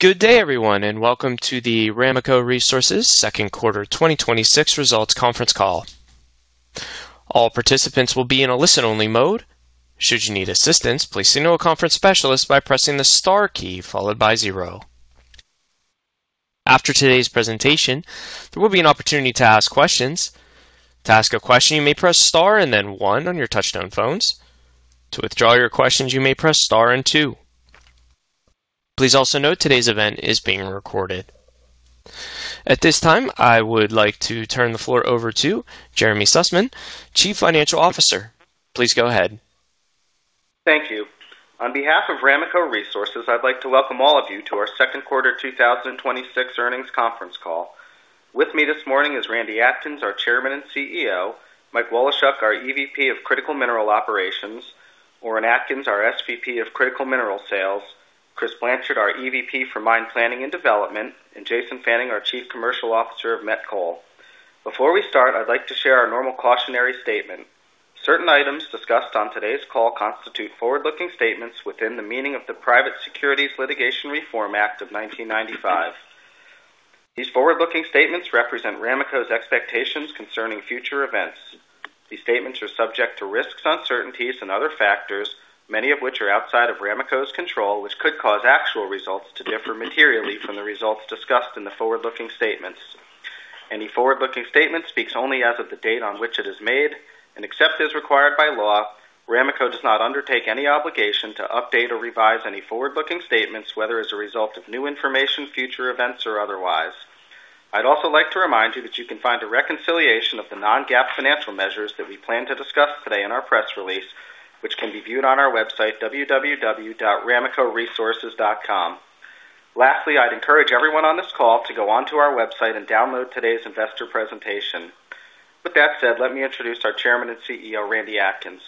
Good day, everyone, and welcome to the Ramaco Resources Second Quarter 2026 Results Conference Call. All participants will be in a listen-only mode. Should you need assistance, please signal a conference specialist by pressing the star key followed by zero. After today's presentation, there will be an opportunity to ask questions. To ask a question, you may press star and then one on your touch-tone phones. To withdraw your questions, you may press star and two. Please also note today's event is being recorded. At this time, I would like to turn the floor over to Jeremy Sussman, Chief Financial Officer. Please go ahead. Thank you. On behalf of Ramaco Resources, I'd like to welcome all of you to our second quarter 2026 earnings conference call. With me this morning is Randy Atkins, our Chairman and CEO, Mike Woloschuk, our EVP of Critical Mineral Operations, Orin Atkins, our SVP of Critical Mineral Sales, Chris Blanchard, our EVP of Mine Planning and Development, and Jason Fannin, our Chief Commercial Officer of Met Coal. Before we start, I'd like to share our normal cautionary statement. Certain items discussed on today's call constitute forward-looking statements within the meaning of the Private Securities Litigation Reform Act of 1995. These forward-looking statements represent Ramaco's expectations concerning future events. These statements are subject to risks, uncertainties, and other factors, many of which are outside of Ramaco's control, which could cause actual results to differ materially from the results discussed in the forward-looking statements. Any forward-looking statement speaks only as of the date on which it is made, except as required by law, Ramaco does not undertake any obligation to update or revise any forward-looking statements, whether as a result of new information, future events, or otherwise. I'd also like to remind you that you can find a reconciliation of the non-GAAP financial measures that we plan to discuss today in our press release, which can be viewed on our website, www.ramacoresources.com. Lastly, I'd encourage everyone on this call to go onto our website and download today's investor presentation. With that said, let me introduce our Chairman and CEO, Randy Atkins.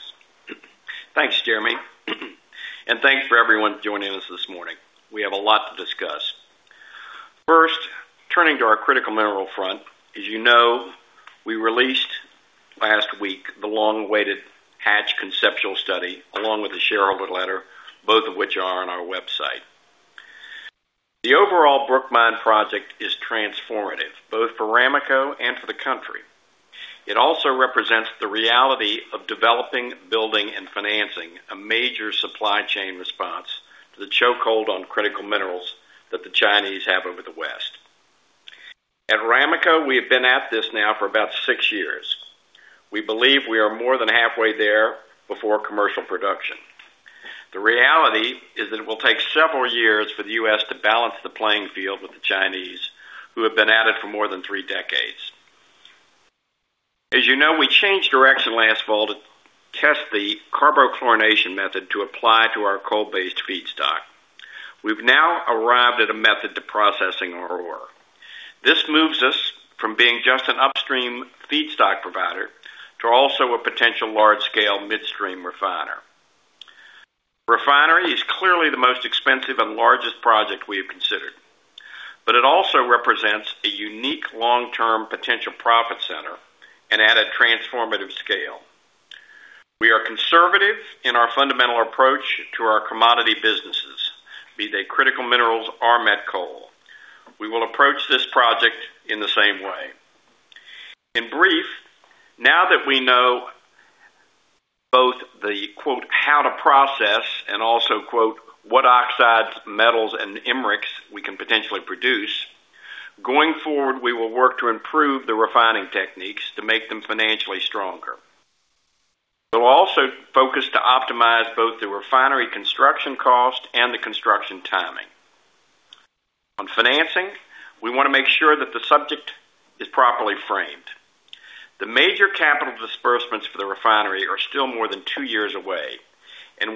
Thanks, Jeremy, and thanks for everyone joining us this morning. We have a lot to discuss. First, turning to our critical mineral front, as you know, we released last week the long-awaited Hatch conceptual study, along with the shareholder letter, both of which are on our website. The overall Brook Mine project is transformative, both for Ramaco and for the country. It also represents the reality of developing, building, and financing a major supply chain response to the chokehold on critical minerals that the Chinese have over the West. At Ramaco, we have been at this now for about six years. We believe we are more than halfway there before commercial production. The reality is that it will take several years for the U.S. to balance the playing field with the Chinese, who have been at it for more than three decades. As you know, we changed direction last fall to test the carbochlorination method to apply to our coal-based feedstock. We've now arrived at a method to processing our ore. This moves us from being just an upstream feedstock provider to also a potential large-scale midstream refiner. Refinery is clearly the most expensive and largest project we have considered, but it also represents a unique long-term potential profit center and at a transformative scale. We are conservative in our fundamental approach to our commodity businesses, be they critical minerals or met coal. We will approach this project in the same way. In brief, now that we know both the, quote, "how to process" and also, quote, "what oxides, metals, and MRECs we can potentially produce," going forward, we will work to improve the refining techniques to make them financially stronger. We'll also focus to optimize both the refinery construction cost and the construction timing. On financing, we want to make sure that the subject is properly framed. The major capital disbursements for the refinery are still more than two years away.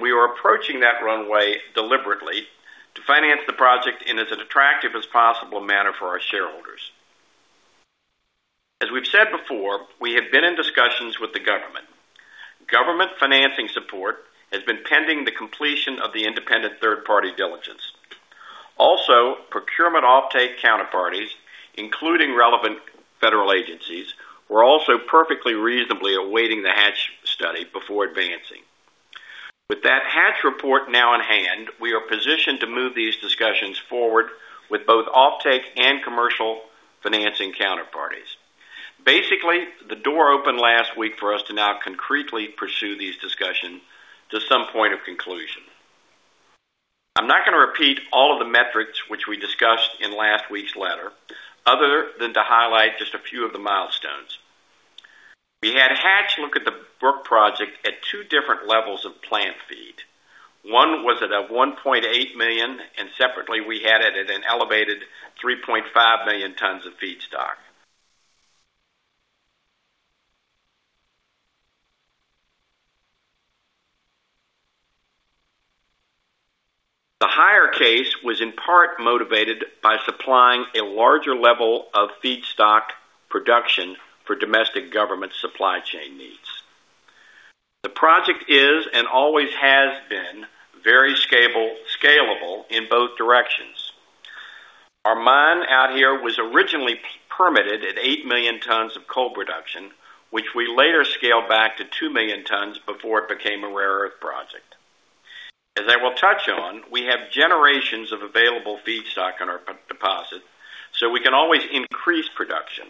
We are approaching that runway deliberately to finance the project in as an attractive as possible manner for our shareholders. As we've said before, we have been in discussions with the government. Government financing support has been pending the completion of the independent third party diligence. Procurement offtake counterparties, including relevant federal agencies, were also perfectly reasonably awaiting the Hatch study before advancing. With that Hatch report now in hand, we are positioned to move these discussions forward with both offtake and commercial financing counterparties. Basically, the door opened last week for us to now concretely pursue these discussion to some point of conclusion. I'm not going to repeat all of the metrics which we discussed in last week's letter, other than to highlight just a few of the milestones. We had Hatch look at the Brook Project at two different levels of plant feed. One was at a 1.8 million, separately, we had it at an elevated 3.5 million tons of feedstock. The higher case was in part motivated by supplying a larger level of feedstock production for domestic government supply chain needs. The project is, and always has been, very scalable in both directions. Our mine out here was originally permitted at 8 million tons of coal production, which we later scaled back to 2 million tons before it became a rare earth project. As I will touch on, we have generations of available feedstock in our deposit. We can always increase production.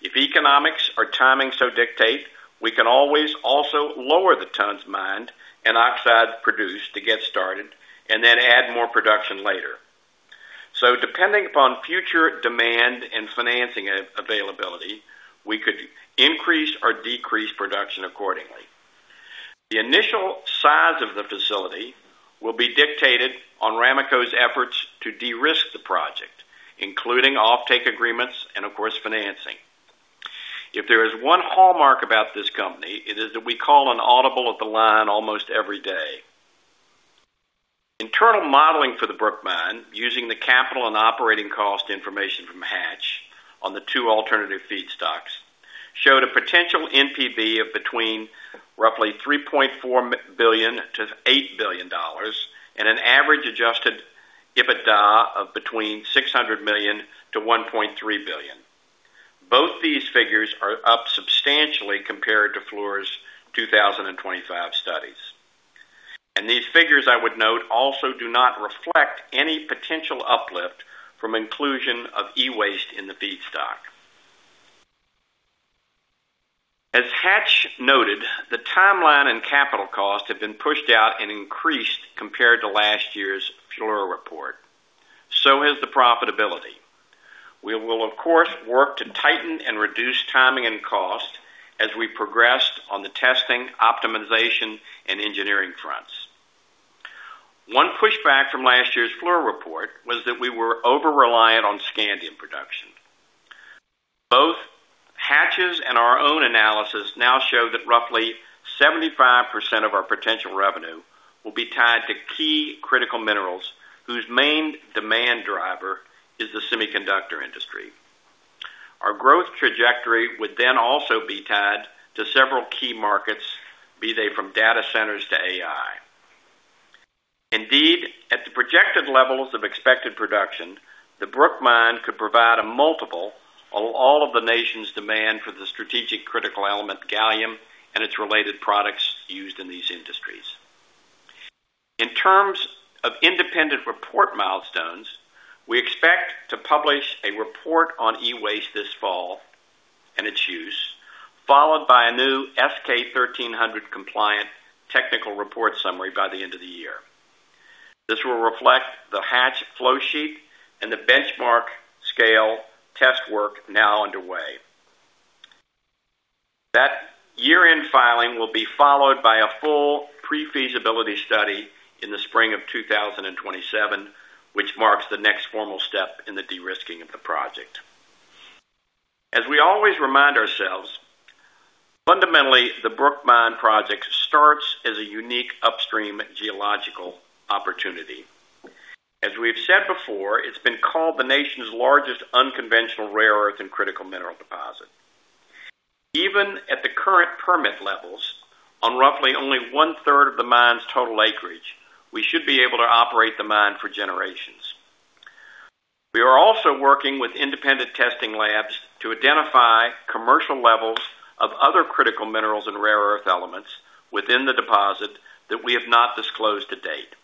If economics or timing so dictate, we can always also lower the tons mined and oxide produced to get started. Then add more production later. Depending upon future demand and financing availability, we could increase or decrease production accordingly. The initial size of the facility will be dictated on Ramaco's efforts to de-risk the project, including offtake agreements and, of course, financing. If there is one hallmark about this company, it is that we call an audible at the line almost every day. Internal modeling for the Brook Mine, using the capital and operating cost information from Hatch on the two alternative feedstocks, showed a potential NPV of between roughly $3.4 billion-$8 billion, an average adjusted EBITDA of between $600 million-$1.3 billion. Both these figures are up substantially compared to Fluor's 2025 studies. These figures, I would note, also do not reflect any potential uplift from inclusion of e-waste in the feedstock. As Hatch noted, the timeline and capital cost have been pushed out and increased compared to last year's Fluor report. So has the profitability. We will, of course, work to tighten and reduce timing and cost as we progress on the testing, optimization, and engineering fronts. One pushback from last year's Fluor Report was that we were over-reliant on scandium production. Both Hatch's and our own analysis now show that roughly 75% of our potential revenue will be tied to key critical minerals, whose main demand driver is the semiconductor industry. Our growth trajectory would then also be tied to several key markets, be they from data centers to AI. Indeed, at the projected levels of expected production, the Brook Mine could provide a multiple on all of the nation's demand for the strategic critical element gallium and its related products used in these industries. In terms of independent report milestones, we expect to publish a report on e-waste this fall and its use, followed by a new S-K 1300 Compliant Technical Report summary by the end of the year. This will reflect the Hatch flow sheet and the benchmark scale test work now underway. That year-end filing will be followed by a full pre-feasibility study in the spring of 2027, which marks the next formal step in the de-risking of the project. As we always remind ourselves, fundamentally, the Brook Mine project starts as a unique upstream geological opportunity. As we've said before, it's been called the nation's largest unconventional rare earth and critical mineral deposit. Even at the current permit levels, on roughly only one-third of the mine's total acreage, we should be able to operate the mine for generations. We are also working with independent testing labs to identify commercial levels of other critical minerals and rare earth elements within the deposit that we have not disclosed to date.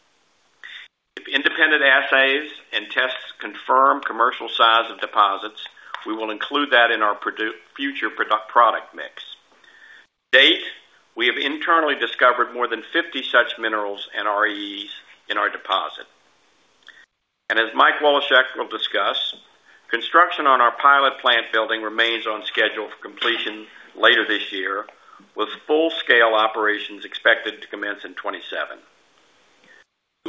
If independent assays and tests confirm commercial size of deposits, we will include that in our future product mix. To date, we have internally discovered more than 50 such minerals and REEs in our deposit. As Mike Woloschuk will discuss, construction on our pilot plant building remains on schedule for completion later this year, with full-scale operations expected to commence in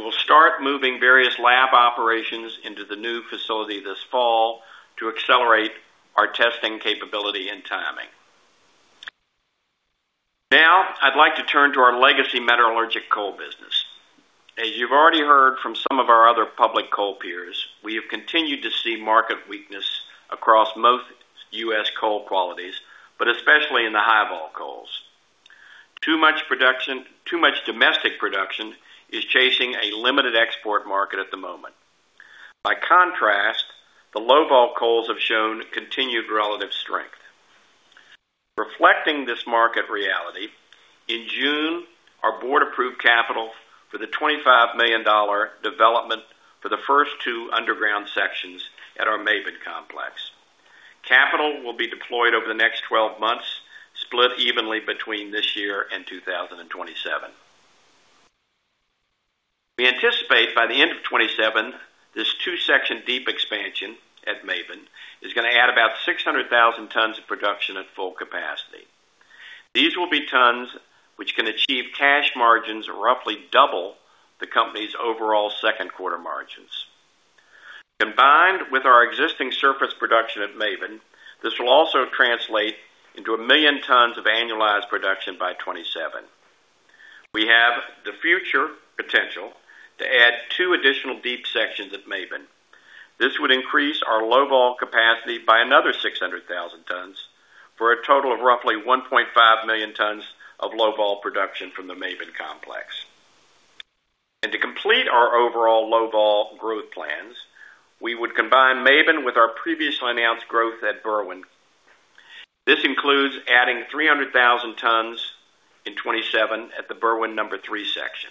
2027. We will start moving various lab operations into the new facility this fall to accelerate our testing capability and timing. Now, I'd like to turn to our legacy metallurgic coal business. As you've already heard from some of our other public coal peers, we have continued to see market weakness across most U.S. coal qualities, but especially in the high vol coals. Too much domestic production is chasing a limited export market at the moment. By contrast, the low vol coals have shown continued relative strength. Reflecting this market reality, in June, our Board approved capital for the $25 million development for the first two underground sections at our Maben Complex. Capital will be deployed over the next 12 months, split evenly between this year and 2027. We anticipate by the end of 2027, this two-section deep expansion at Maben is gonna add about 600,000 tons of production at full capacity. These will be tons which can achieve cash margins roughly double the company's overall second quarter margins. Combined with our existing surface production at Maben, this will also translate into 1 million tons of annualized production by 2027. We have the future potential to add two additional deep sections at Maben. This would increase our low vol capacity by another 600,000 tons, for a total of roughly 1.5 million tons of low vol production from the Maben Complex. To complete our overall low-vol growth plans, we would combine Maben with our previously announced growth at Berwind. This includes adding 300,000 tons in 2027 at the Berwind number three section.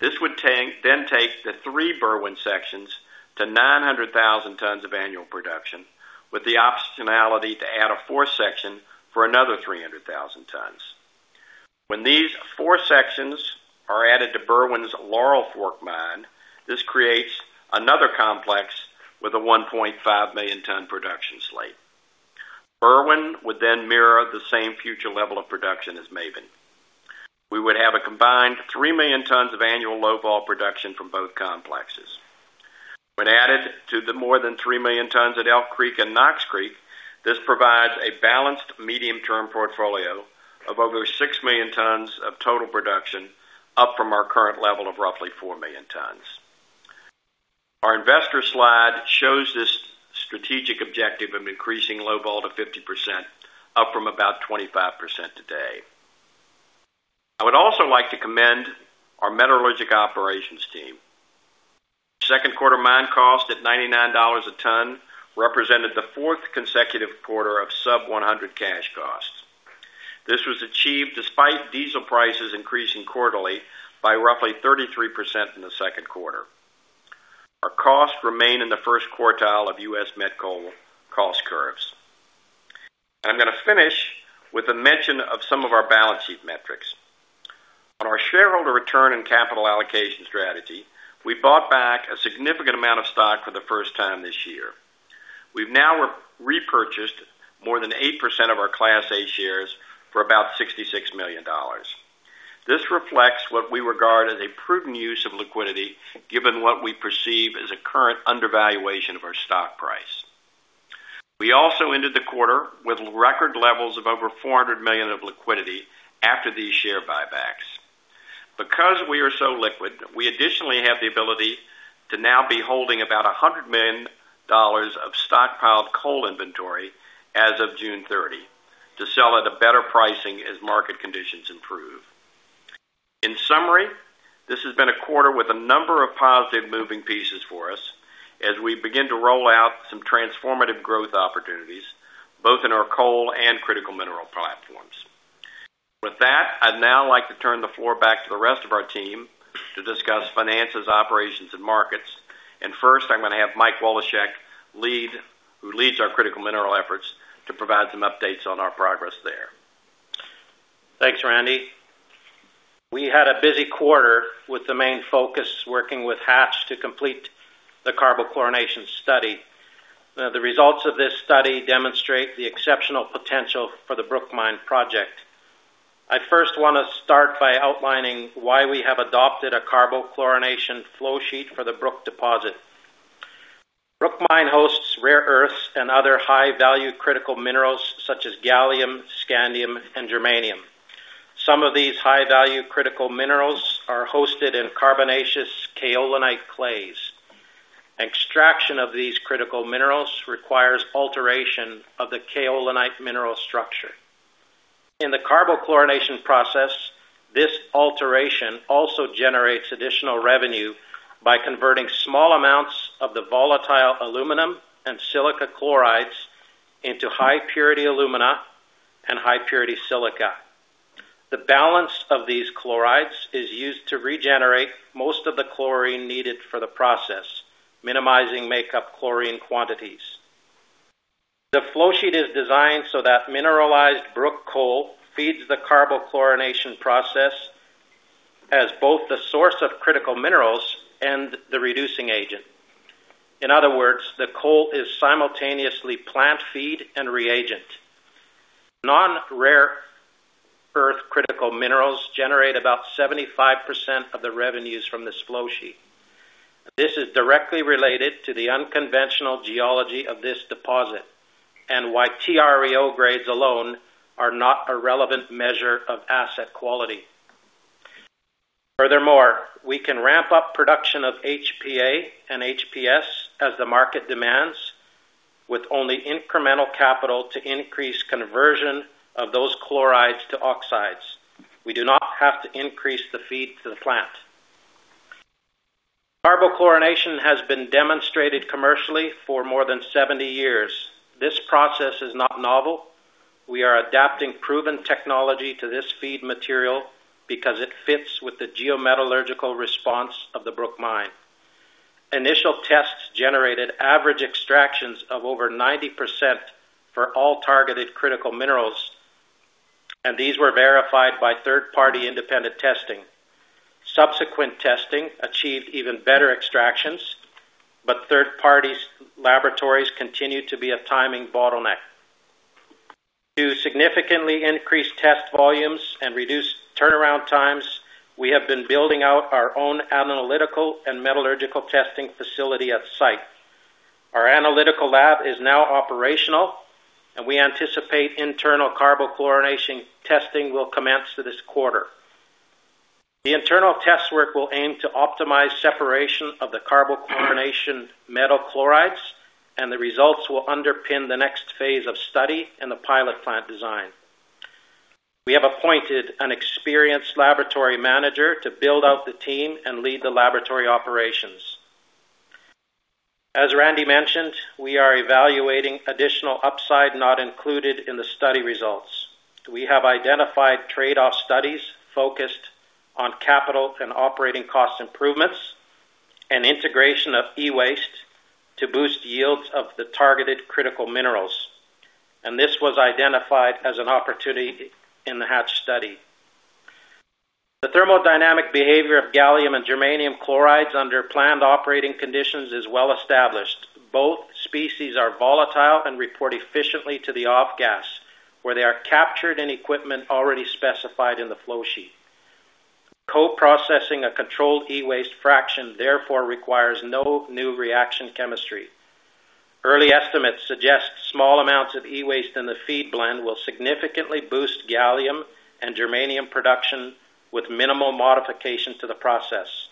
This would then take the three Berwind sections to 900,000 tons of annual production, with the optionality to add a fourth section for another 300,000 tons. When these four sections are added to Berwind's Laurel Fork Mine, this creates another complex with a 1.5 million ton production slate. Berwind would then mirror the same future level of production as Maben. We would have a combined 3 million tons of annual low-vol production from both complexes. When added to the more than 3 million tons at Elk Creek and Knox Creek, this provides a balanced medium-term portfolio of over 6 million tons of total production, up from our current level of roughly 4 million tons. Our investor slide shows this strategic objective of increasing low vol to 50%, up from about 25% today. I would also like to commend our metallurgic operations team. Second quarter mine cost at $99 a ton represented the fourth consecutive quarter of sub 100 cash costs. This was achieved despite diesel prices increasing quarterly by roughly 33% in the second quarter. Our costs remain in the first quartile of U.S. met coal cost curves. I'm going to finish with a mention of some of our balance sheet metrics. On our shareholder return and capital allocation strategy, we bought back a significant amount of stock for the first time this year. We've now repurchased more than 8% of our Class A shares for about $66 million. This reflects what we regard as a prudent use of liquidity, given what we perceive as a current undervaluation of our stock price. We also ended the quarter with record levels of over $400 million of liquidity after these share buybacks. We are so liquid, we additionally have the ability to now be holding about $100 million of stockpiled coal inventory as of June 30 to sell at a better pricing as market conditions improve. In summary, this has been a quarter with a number of positive moving pieces for us as we begin to roll out some transformative growth opportunities, both in our coal and critical mineral platforms. With that, I'd now like to turn the floor back to the rest of our team to discuss finances, operations, and markets. First, I'm going to have Mike Woloschuk, who leads our critical mineral efforts, to provide some updates on our progress there. Thanks, Randy. We had a busy quarter with the main focus working with Hatch to complete the carbochlorination study. The results of this study demonstrate the exceptional potential for the Brook Mine project. I first want to start by outlining why we have adopted a carbochlorination flow sheet for the Brook deposit. Brook Mine hosts rare earths and other high-value critical minerals such as gallium, scandium, and germanium. Some of these high-value critical minerals are hosted in carbonaceous kaolinite clays. Extraction of these critical minerals requires alteration of the kaolinite mineral structure. In the carbochlorination process, this alteration also generates additional revenue by converting small amounts of the volatile aluminum and silica chlorides into high-purity alumina and high-purity silica. The balance of these chlorides is used to regenerate most of the chlorine needed for the process, minimizing makeup chlorine quantities. The flow sheet is designed so that mineralized Brook coal feeds the carbochlorination process as both the source of critical minerals and the reducing agent. In other words, the coal is simultaneously plant feed and reagent. Non-rare earth critical minerals generate about 75% of the revenues from this flow sheet. This is directly related to the unconventional geology of this deposit, and why TREO grades alone are not a relevant measure of asset quality. Furthermore, we can ramp up production of HPA and HPS as the market demands, with only incremental capital to increase conversion of those chlorides to oxides. We do not have to increase the feed to the plant. Carbochlorination has been demonstrated commercially for more than 70 years. This process is not novel. We are adapting proven technology to this feed material because it fits with the geometallurgical response of the Brook Mine. Initial tests generated average extractions of over 90% for all targeted critical minerals, and these were verified by third-party independent testing. Subsequent testing achieved even better extractions, but third parties' laboratories continue to be a timing bottleneck. To significantly increase test volumes and reduce turnaround times, we have been building out our own analytical and metallurgical testing facility at site. Our analytical lab is now operational and we anticipate internal carbochlorination testing will commence this quarter. The internal test work will aim to optimize separation of the carbochlorination metal chlorides. The results will underpin the next phase of study and the pilot plant design. We have appointed an experienced laboratory manager to build out the team and lead the laboratory operations. As Randy mentioned, we are evaluating additional upside not included in the study results. We have identified trade-off studies focused on capital and operating cost improvements and integration of e-waste to boost yields of the targeted critical minerals. This was identified as an opportunity in the Hatch study. The thermodynamic behavior of gallium and germanium chlorides under planned operating conditions is well established. Both species are volatile and report efficiently to the off gas, where they are captured in equipment already specified in the flow sheet. Co-processing a controlled e-waste fraction, therefore, requires no new reaction chemistry. Early estimates suggest small amounts of e-waste in the feed blend will significantly boost gallium and germanium production with minimal modification to the process.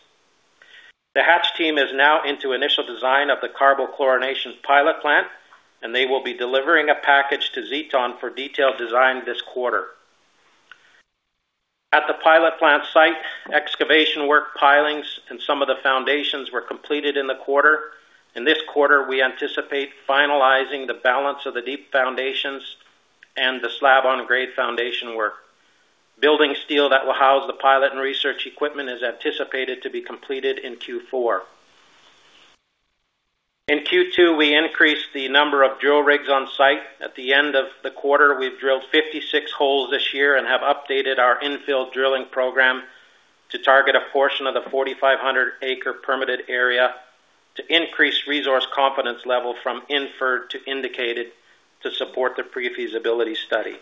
The Hatch team is now into initial design of the carbochlorination pilot plant, and they will be delivering a package to Zeton for detailed design this quarter. At the pilot plant site, excavation work pilings and some of the foundations were completed in the quarter. In this quarter, we anticipate finalizing the balance of the deep foundations and the slab-on-grade foundation work. Building steel that will house the pilot and research equipment is anticipated to be completed in Q4. In Q2, we increased the number of drill rigs on site. At the end of the quarter, we've drilled 56 holes this year and have updated our infill drilling program to target a portion of the 4,500 acre permitted area to increase resource confidence level from inferred to indicated to support the pre-feasibility study.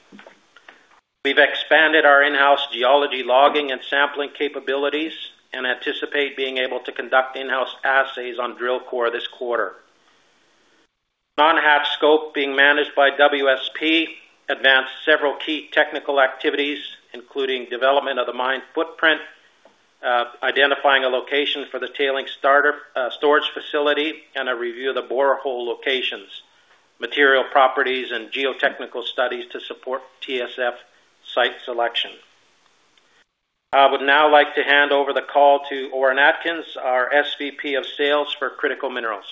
We've expanded our in-house geology logging and sampling capabilities and anticipate being able to conduct in-house assays on drill core this quarter. Non-Hatch scope being managed by WSP advanced several key technical activities, including development of the mine footprint, identifying a location for the tailing storage facility, and a review of the borehole locations, material properties, and geotechnical studies to support TSF site selection. I would now like to hand over the call to Orin Atkins, our SVP of Sales for Critical Minerals.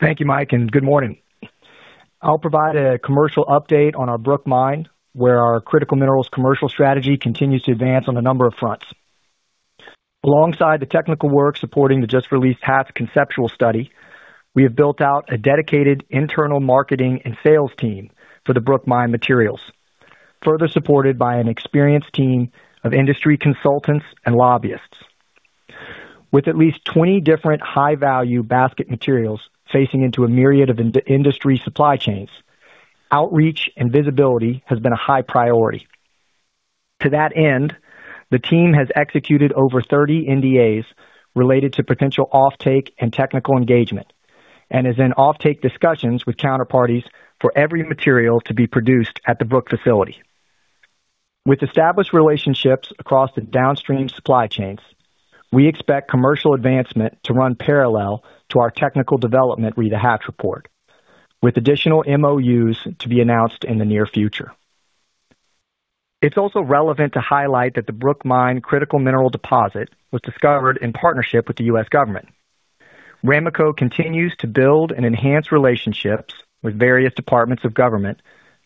Thank you, Mike, and good morning. I'll provide a commercial update on our Brook Mine, where our critical minerals commercial strategy continues to advance on a number of fronts. Alongside the technical work supporting the just released Hatch conceptual study, we have built out a dedicated internal marketing and sales team for the Brook Mine materials, further supported by an experienced team of industry consultants and lobbyists. With at least 20 different high-value basket materials facing into a myriad of industry supply chains, outreach and visibility has been a high priority. To that end, the team has executed over 30 NDAs related to potential offtake and technical engagement and is in offtake discussions with counterparties for every material to be produced at the Brook facility. With established relationships across the downstream supply chains, we expect commercial advancement to run parallel to our technical development re the Hatch report, with additional MOUs to be announced in the near future. It's also relevant to highlight that the Brook Mine critical mineral deposit was discovered in partnership with the U.S. government. Ramaco continues to build and enhance relationships with various departments of government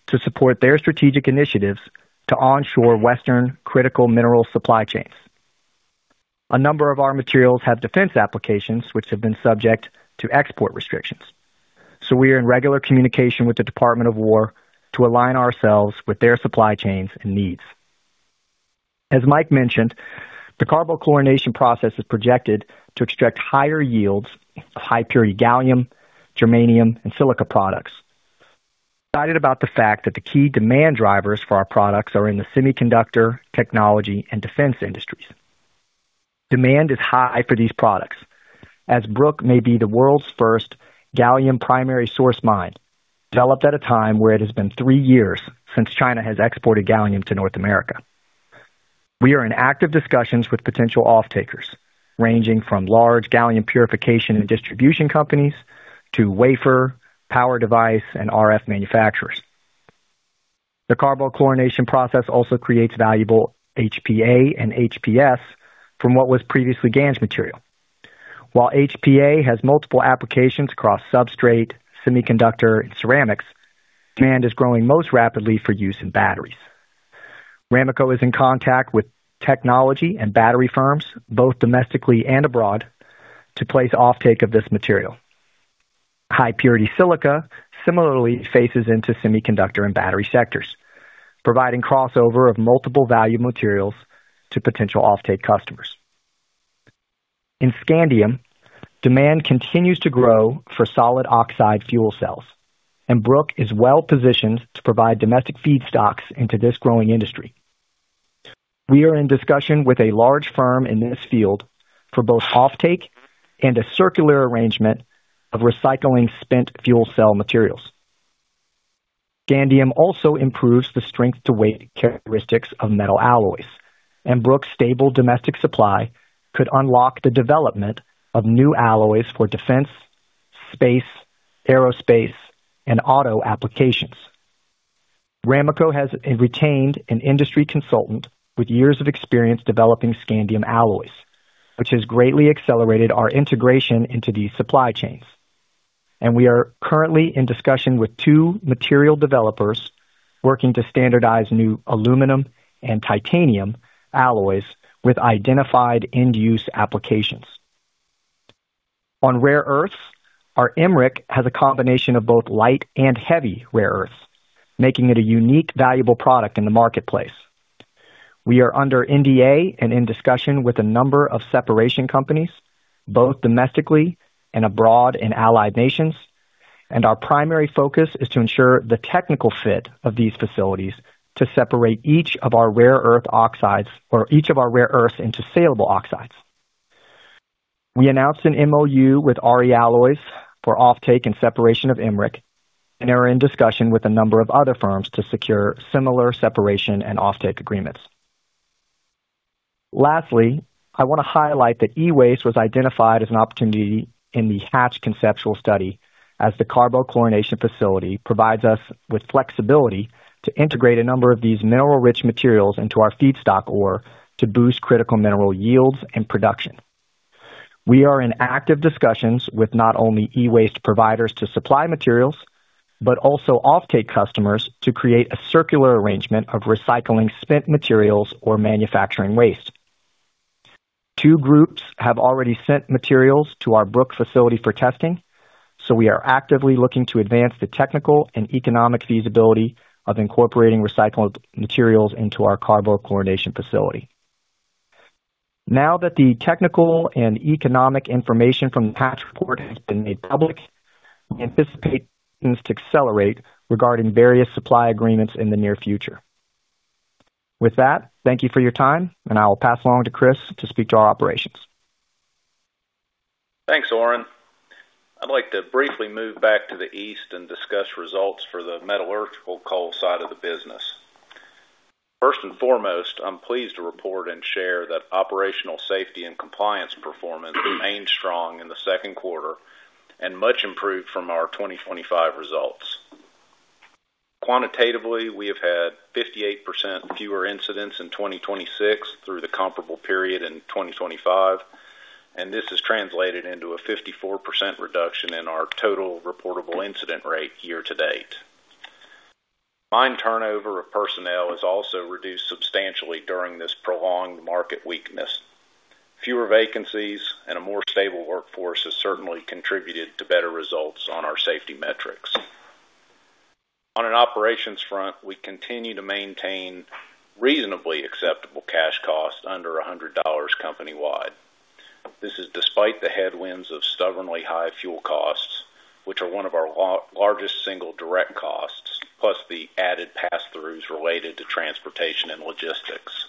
to support their strategic initiatives to onshore Western critical mineral supply chains. A number of our materials have defense applications which have been subject to export restrictions. We are in regular communication with the Department of War to align ourselves with their supply chains and needs. As Mike mentioned, the carbochlorination process is projected to extract higher yields of high purity gallium, germanium, and silica products. Excited about the fact that the key demand drivers for our products are in the semiconductor, technology, and defense industries. Demand is high for these products, as Brook may be the world's first gallium primary source mine, developed at a time where it has been three years since China has exported gallium to North America. We are in active discussions with potential off-takers, ranging from large gallium purification and distribution companies to wafer, power device, and RF manufacturers. The carbochlorination process also creates valuable HPA and HPS from what was previously GaN material. While HPA has multiple applications across substrate, semiconductor, and ceramics, demand is growing most rapidly for use in batteries. Ramaco is in contact with technology and battery firms, both domestically and abroad, to place offtake of this material. High purity silica similarly faces into semiconductor and battery sectors, providing crossover of multiple value materials to potential offtake customers. In scandium, demand continues to grow for solid oxide fuel cells, and Brook is well positioned to provide domestic feedstocks into this growing industry. We are in discussion with a large firm in this field for both offtake and a circular arrangement of recycling spent fuel cell materials. Scandium also improves the strength to weight characteristics of metal alloys, and Brook stable domestic supply could unlock the development of new alloys for defense, space, aerospace, and auto applications. Ramaco has retained an industry consultant with years of experience developing scandium alloys, which has greatly accelerated our integration into these supply chains. We are currently in discussion with two material developers working to standardize new aluminum and titanium alloys with identified end-use applications. On rare earths, our MREC has a combination of both light and heavy rare earths, making it a unique valuable product in the marketplace. We are under NDA and in discussion with a number of separation companies, both domestically and abroad in allied nations. Our primary focus is to ensure the technical fit of these facilities to separate each of our rare earth oxides or each of our rare earths into saleable oxides. We announced an MOU with REalloys for offtake and separation of MREC and are in discussion with a number of other firms to secure similar separation and offtake agreements. Lastly, I want to highlight that e-waste was identified as an opportunity in the Hatch conceptual study as the carbochlorination facility provides us with flexibility to integrate a number of these mineral-rich materials into our feedstock ore to boost critical mineral yields and production. We are in active discussions with not only e-waste providers to supply materials, but also offtake customers to create a circular arrangement of recycling spent materials or manufacturing waste. Two groups have already sent materials to our Brook facility for testing. We are actively looking to advance the technical and economic feasibility of incorporating recycled materials into our carbochlorination facility. Now that the technical and economic information from the Hatch report has been made public, we anticipate things to accelerate regarding various supply agreements in the near future. With that, thank you for your time, and I will pass along to Chris to speak to our operations. Thanks, Orin. I'd like to briefly move back to the East and discuss results for the metallurgical coal side of the business. First and foremost, I'm pleased to report and share that operational safety and compliance performance remained strong in the second quarter and much improved from our 2025 results. Quantitatively, we have had 58% fewer incidents in 2026 through the comparable period in 2025, and this has translated into a 54% reduction in our total reportable incident rate year-to-date. Mine turnover of personnel has also reduced substantially during this prolonged market weakness. Fewer vacancies and a more stable workforce has certainly contributed to better results on our safety metrics. On an operations front, we continue to maintain reasonably acceptable cash costs under $100 company-wide. This is despite the headwinds of stubbornly high fuel costs, which are one of our largest single direct costs, plus the added pass-throughs related to transportation and logistics.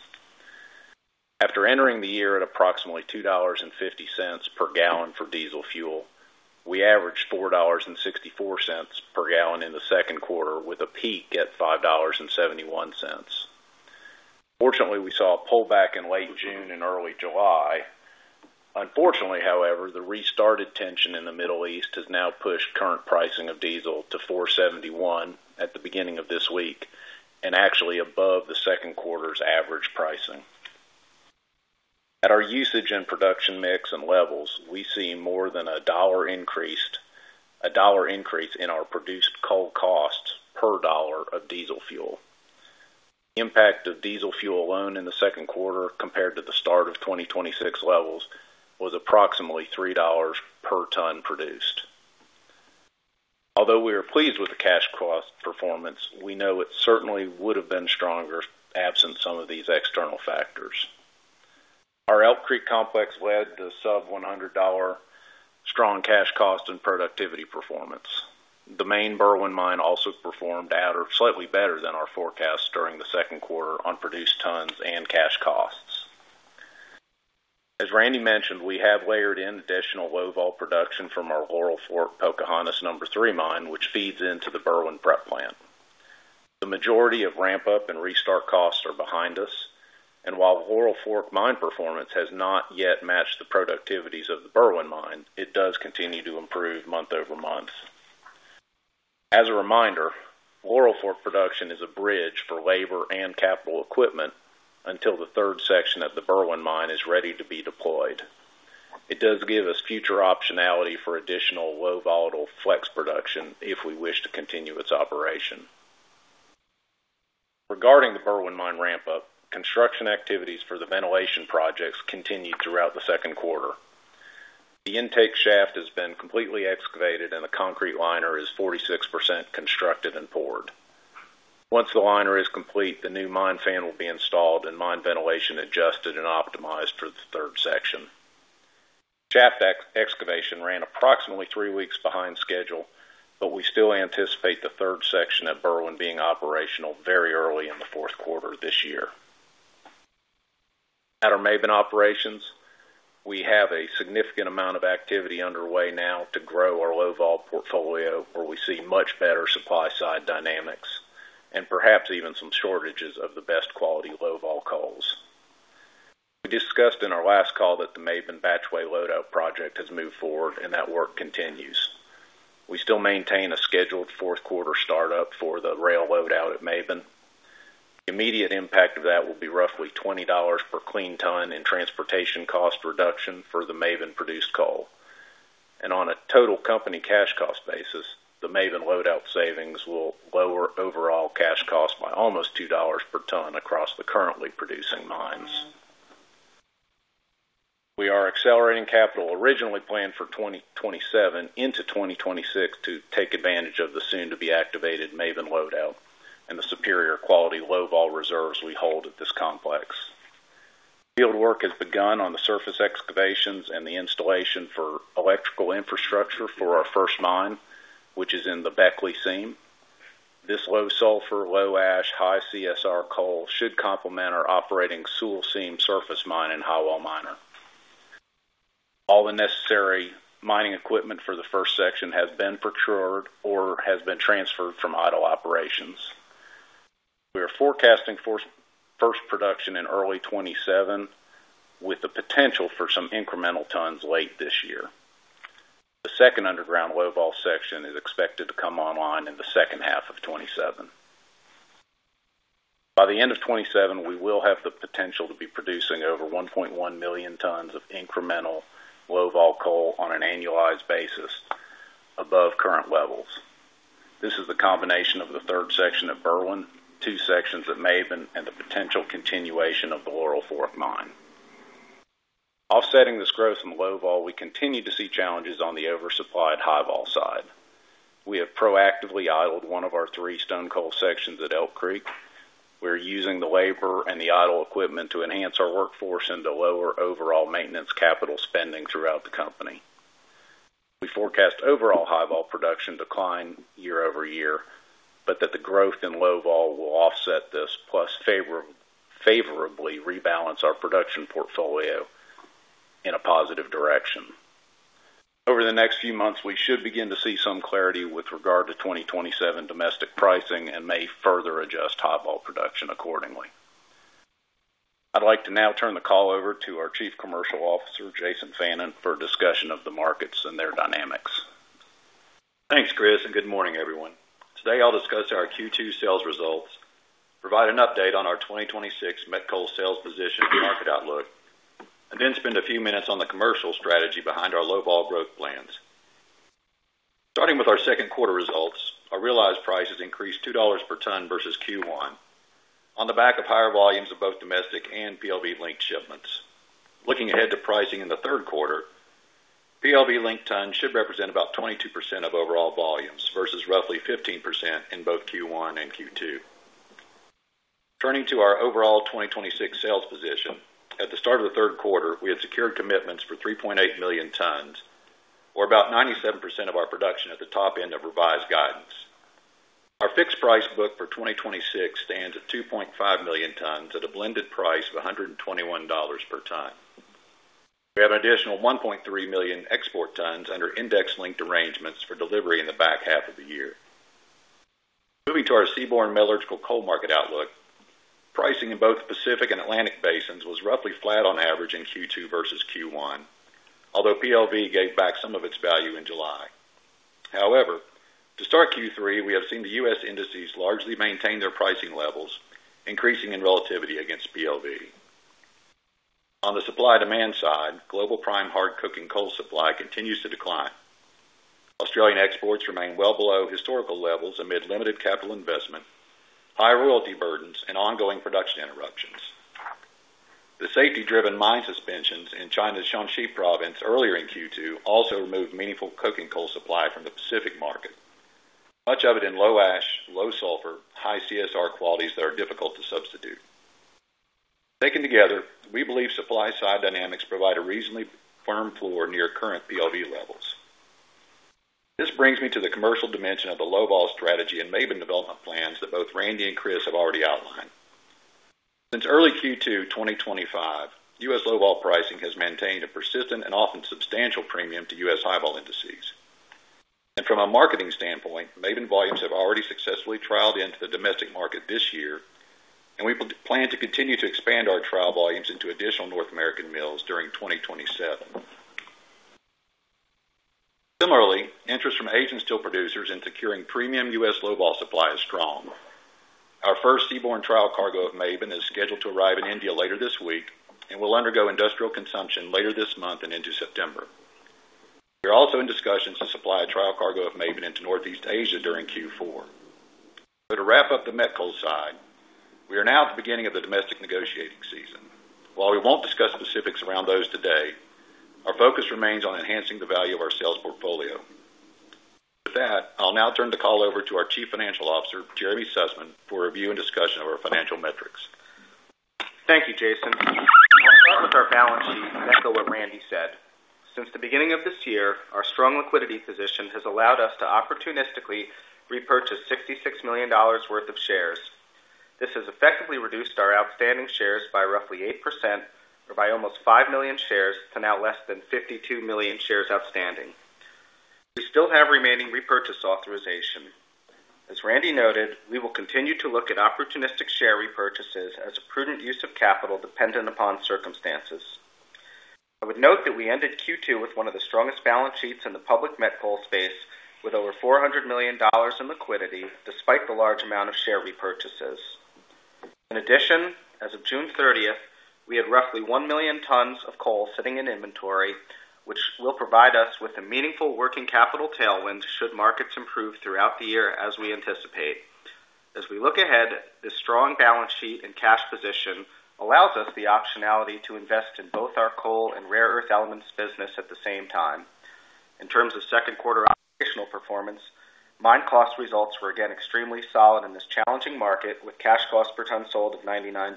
After entering the year at approximately $2.50 per gallon for diesel fuel, we averaged $4.64 per gallon in the second quarter, with a peak at $5.71. Fortunately, we saw a pullback in late June and early July. Unfortunately, however, the restarted tension in the Middle East has now pushed current pricing of diesel to $4.71 at the beginning of this week and actually above the second quarter's average pricing. At our usage and production mix and levels, we see more than a dollar increase in our produced coal costs per dollar of diesel fuel. The impact of diesel fuel alone in the second quarter compared to the start of 2026 levels was approximately $3 per ton produced. Although we are pleased with the cash cost performance, we know it certainly would have been stronger absent some of these external factors. Our Elk Creek complex led to sub-$100 strong cash cost and productivity performance. The main Berwind mine also performed at or slightly better than our forecast during the second quarter on produced tons and cash costs. As Randy mentioned, we have layered in additional low vol production from Laurel Fork Pocahontas No. 3 Mine which feeds into the Berwind prep plant. The majority of ramp-up and restart costs are behind us, and while Laurel Fork mine performance has not yet matched the productivities of the Berwind mine, it does continue to improve month-over-month. As a reminder, Laurel Fork production is a bridge for labor and capital equipment until the third section of the Berwind mine is ready to be deployed. It does give us future optionality for additional low volatile flex production if we wish to continue its operation. Regarding the Berwind mine ramp-up, construction activities for the ventilation projects continued throughout the second quarter. The intake shaft has been completely excavated, and the concrete liner is 46% constructed and poured. Once the liner is complete, the new mine fan will be installed and mine ventilation adjusted and optimized for the third section. Shaft excavation ran approximately three weeks behind schedule, but we still anticipate the third section at Berwind being operational very early in the fourth quarter this year. At our Maben operations, we have a significant amount of activity underway now to grow our low vol portfolio, where we see much better supply side dynamics and perhaps even some shortages of the best quality low vol coals. We discussed in our last call that the Maben batch weigh loadout project hasmoved forward, and that work continues. We still maintain a scheduled fourth quarter startup for the rail load out at Maben. The immediate impact of that will be roughly $20 per clean ton in transportation cost reduction for the Maben-produced coal. On a total company cash cost basis, the Maben load out savings will lower overall cash costs by almost $2 per ton across the currently producing mines. We are accelerating capital originally planned for 2027 into 2026 to take advantage of the soon-to-be-activated Maben load out and the superior quality low vol reserves we hold at this complex. Field work has begun on the surface excavations and the installation for electrical infrastructure for our first mine, which is in the Beckley seam. This low-sulfur, low-ash, high-CSR coal should complement our operating Sewell seam surface mine in highwall miner. All the necessary mining equipment for the first section has been procured or has been transferred from idle operations. We are forecasting first production in early 2027, with the potential for some incremental tons late this year. The second underground low vol section is expected to come online in the second half of 2027. By the end of 2027, we will have the potential to be producing over 1.1 million tons of incremental low vol coal on an annualized basis above current levels. This is the combination of the third section of Berwind, two sections of Maben, and the potential continuation of the Laurel Fork Mine. Offsetting this growth in low vol, we continue to see challenges on the oversupplied high vol side. We have proactively idled one of our three Stonecoal sections at Elk Creek. We are using the labor and the idle equipment to enhance our workforce and to lower overall maintenance capital spending throughout the company. We forecast overall high vol production decline year-over-year, but that the growth in low vol will offset this plus favorably rebalance our production portfolio in a positive direction. Over the next few months, we should begin to see some clarity with regard to 2027 domestic pricing and may further adjust high vol production accordingly. I would like to now turn the call over to our Chief Commercial Officer, Jason Fannin, for a discussion of the markets and their dynamics. Thanks, Chris, and good morning, everyone. Today I will discuss our Q2 sales results, provide an update on our 2026 met coal sales position and market outlook, and then spend a few minutes on the commercial strategy behind our low vol growth plans. Starting with our second quarter results, our realized prices increased $2 per ton versus Q1 on the back of higher volumes of both domestic and PLV-linked shipments. Looking ahead to pricing in the third quarter, PLV-linked tons should represent about 22% of overall volumes versus roughly 15% in both Q1 and Q2. Turning to our overall 2026 sales position. At the start of the third quarter, we had secured commitments for 3.8 million tons, or about 97% of our production at the top end of revised guidance. Our fixed price book for 2026 stands at 2.5 million tons at a blended price of $121 per ton. We have an additional 1.3 million export tons under index-linked arrangements for delivery in the back half of the year. Moving to our seaborne metallurgical coal market outlook. Pricing in both the Pacific and Atlantic basins was roughly flat on average in Q2 versus Q1, although PLV gave back some of its value in July. However, to start Q3, we have seen the U.S. indices largely maintain their pricing levels, increasing in relativity against PLV. On the supply demand side, global prime hard coking coal supply continues to decline. Australian exports remain well below historical levels amid limited capital investment, high royalty burdens, and ongoing production interruptions. The safety-driven mine suspensions in China's Shanxi Province earlier in Q2 also removed meaningful coking coal supply from the Pacific market. Much of it in low-ash, low-sulfur, high-CSR qualities that are difficult to substitute. Taken together, we believe supply side dynamics provide a reasonably firm floor near current PLV levels. This brings me to the commercial dimension of the low vol strategy and Maben development plans that both Randy and Chris have already outlined. Since early Q2 2025, U.S. low vol pricing has maintained a persistent and often substantial premium to U.S. high vol indices. From a marketing standpoint, Maben volumes have already successfully trialed into the domestic market this year, and we plan to continue to expand our trial volumes into additional North American mills during 2027. Similarly, interest from Asian steel producers in securing premium U.S. low vol supply is strong. Our first seaborne trial cargo of Maben is scheduled to arrive in India later this week and will undergo industrial consumption later this month and into September. We are also in discussions to supply a trial cargo of Maben into Northeast Asia during Q4. To wrap up the met coal side, we are now at the beginning of the domestic negotiating season. While we won't discuss specifics around those today, our focus remains on enhancing the value of our sales portfolio. With that, I'll now turn the call over to our Chief Financial Officer, Jeremy Sussman, for review and discussion of our financial metrics. Thank you, Jason. I'll start with our balance sheet. Echo what Randy said. Since the beginning of this year, our strong liquidity position has allowed us to opportunistically repurchase $66 million worth of shares. This has effectively reduced our outstanding shares by roughly 8%, or by almost 5 million shares to now less than 52 million shares outstanding. We still have remaining repurchase authorization. As Randy noted, we will continue to look at opportunistic share repurchases as a prudent use of capital dependent upon circumstances. I would note that we ended Q2 with one of the strongest balance sheets in the public met coal space, with over $400 million in liquidity, despite the large amount of share repurchases. In addition, as of June 30th, we had roughly 1 million tons of coal sitting in inventory, which will provide us with a meaningful working capital tailwind should markets improve throughout the year as we anticipate. As we look ahead, this strong balance sheet and cash position allows us the optionality to invest in both our coal and rare earth elements business at the same time. In terms of second quarter operational performance, mine cost results were again extremely solid in this challenging market, with cash cost per ton sold of $99.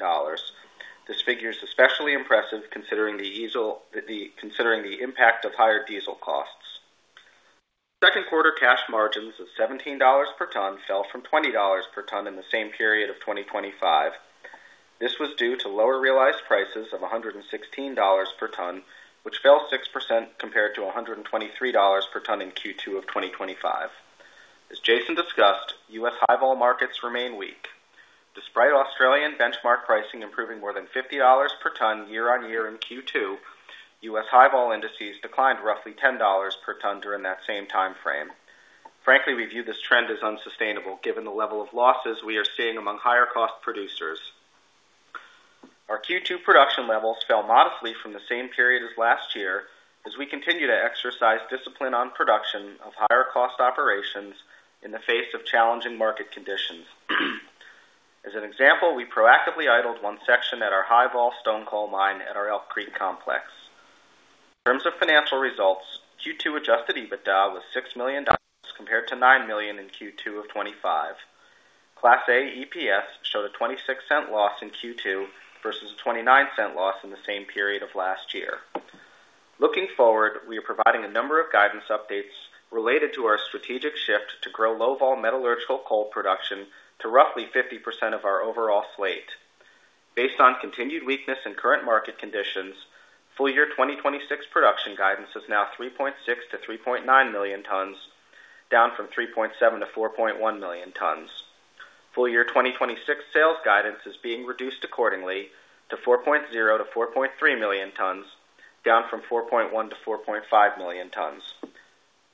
This figure is especially impressive considering the impact of higher diesel costs. Second quarter cash margins of $17 per ton fell from $20 per ton in the same period of 2025. This was due to lower realized prices of $116 per ton, which fell 6% compared to $123 per ton in Q2 of 2025. As Jason discussed, U.S. high-vol markets remain weak. Despite Australian benchmark pricing improving more than $50 per ton year-on-year in Q2, U.S. high-vol indices declined roughly $10 per ton during that same timeframe. Frankly, we view this trend as unsustainable given the level of losses we are seeing among higher cost producers. Our Q2 production levels fell modestly from the same period as last year as we continue to exercise discipline on production of higher cost operations in the face of challenging market conditions. As an example, we proactively idled one section at our high-vol Stonecoal Mine at our Elk Creek complex. In terms of financial results, Q2 adjusted EBITDA was $6 million compared to $9 million in Q2 of 2025. Class A EPS showed a $0.26 loss in Q2 versus a $0.29 loss in the same period of last year. Looking forward, we are providing a number of guidance updates related to our strategic shift to grow low-vol metallurgical coal production to roughly 50% of our overall slate. Based on continued weakness in current market conditions, full year 2026 production guidance is now 3.6 million-3.9 million tons, down from 3.7 million-4.1 million tons. Full year 2026 sales guidance is being reduced accordingly to 4.0 million-4.3 million tons, down from 4.1 million-4.5 million tons.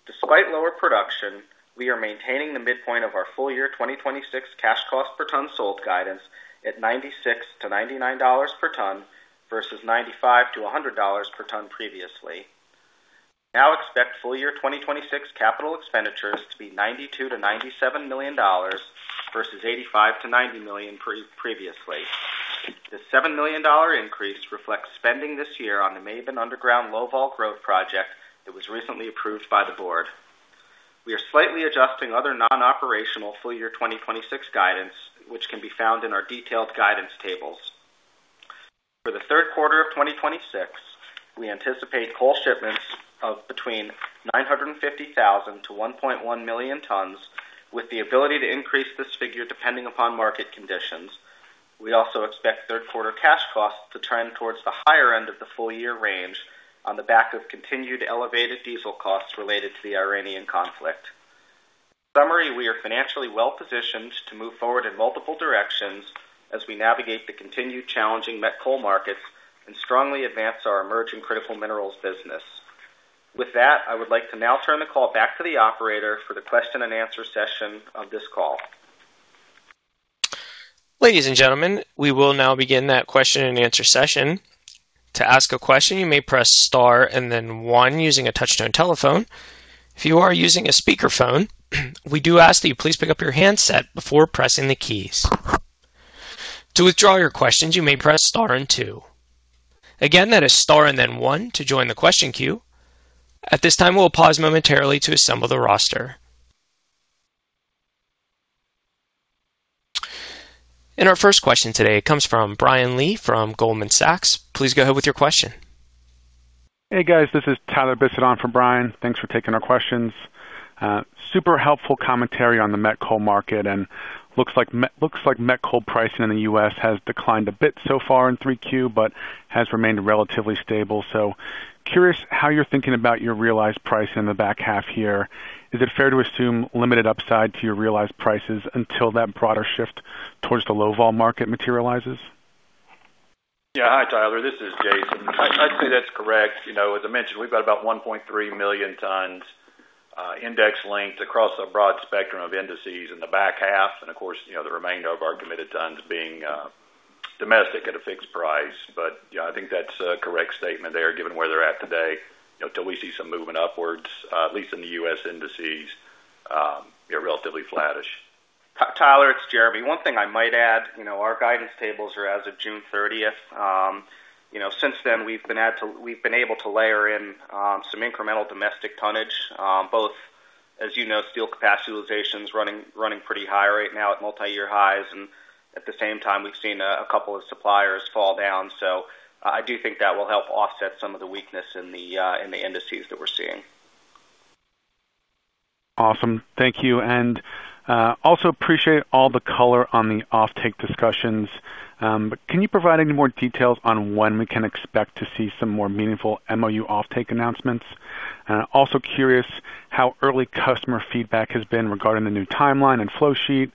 Despite lower production, we are maintaining the midpoint of our full year 2026 cash cost per ton sold guidance at $96-$99 per ton versus $95-$100 per ton previously. Now expect full year 2026 capital expenditures to be $92 million-$97 million versus $85 million-$90 million previously. This $7 million increase reflects spending this year on the Maben underground low-vol growth project that was recently approved by the Board. We are slightly adjusting other non-operational full year 2026 guidance, which can be found in our detailed guidance tables. For the third quarter of 2026, we anticipate coal shipments of between 950,000-1.1 million tons, with the ability to increase this figure depending upon market conditions. We also expect third quarter cash costs to trend towards the higher end of the full year range on the back of continued elevated diesel costs related to the Iranian conflict. In summary, we are financially well-positioned to move forward in multiple directions as we navigate the continued challenging met coal markets and strongly advance our emerging critical minerals business. With that, I would like to now turn the call back to the operator for the question and answer session of this call. Ladies and gentlemen, we will now begin that question and answer session. To ask a question, you may press star and then one using a touch-tone telephone. If you are using a speakerphone, we do ask that you please pick up your handset before pressing the keys. To withdraw your questions, you may press star and two. Again, that is star and then one to join the question queue. At this time, we will pause momentarily to assemble the roster. Our first question today comes from Brian Lee from Goldman Sachs. Please go ahead with your question. Hey, guys. This is Tyler Bisset on for Brian. Thanks for taking our questions. Super helpful commentary on the met coal market. Looks like met coal pricing in the U.S. has declined a bit so far in Q3, but has remained relatively stable. Curious how you are thinking about your realized price in the back half here. Is it fair to assume limited upside to your realized prices until that broader shift towards the low-vol market materializes? Yeah. Hi, Tyler. This is Jason. I would say that is correct. As I mentioned, we have got about 1.3 million tons, index-linked across a broad spectrum of indices in the back half. Of course, the remainder of our committed tons being domestic at a fixed price. Yeah, I think that is a correct statement there, given where they are at today. Until we see some movement upwards, at least in the U.S. indices, they are relatively flattish. Tyler, it is Jeremy. One thing I might add, our guidance tables are as of June 30th. Since then, we have been able to layer in some incremental domestic tonnage, both as you know, steel capacity utilization's running pretty high right now at multi-year highs. At the same time, we've seen a couple of suppliers fall down. I do think that will help offset some of the weakness in the indices that we're seeing. Awesome. Thank you. Also appreciate all the color on the offtake discussions. Can you provide any more details on when we can expect to see some more meaningful MOU offtake announcements? Also curious how early customer feedback has been regarding the new timeline and flow sheet.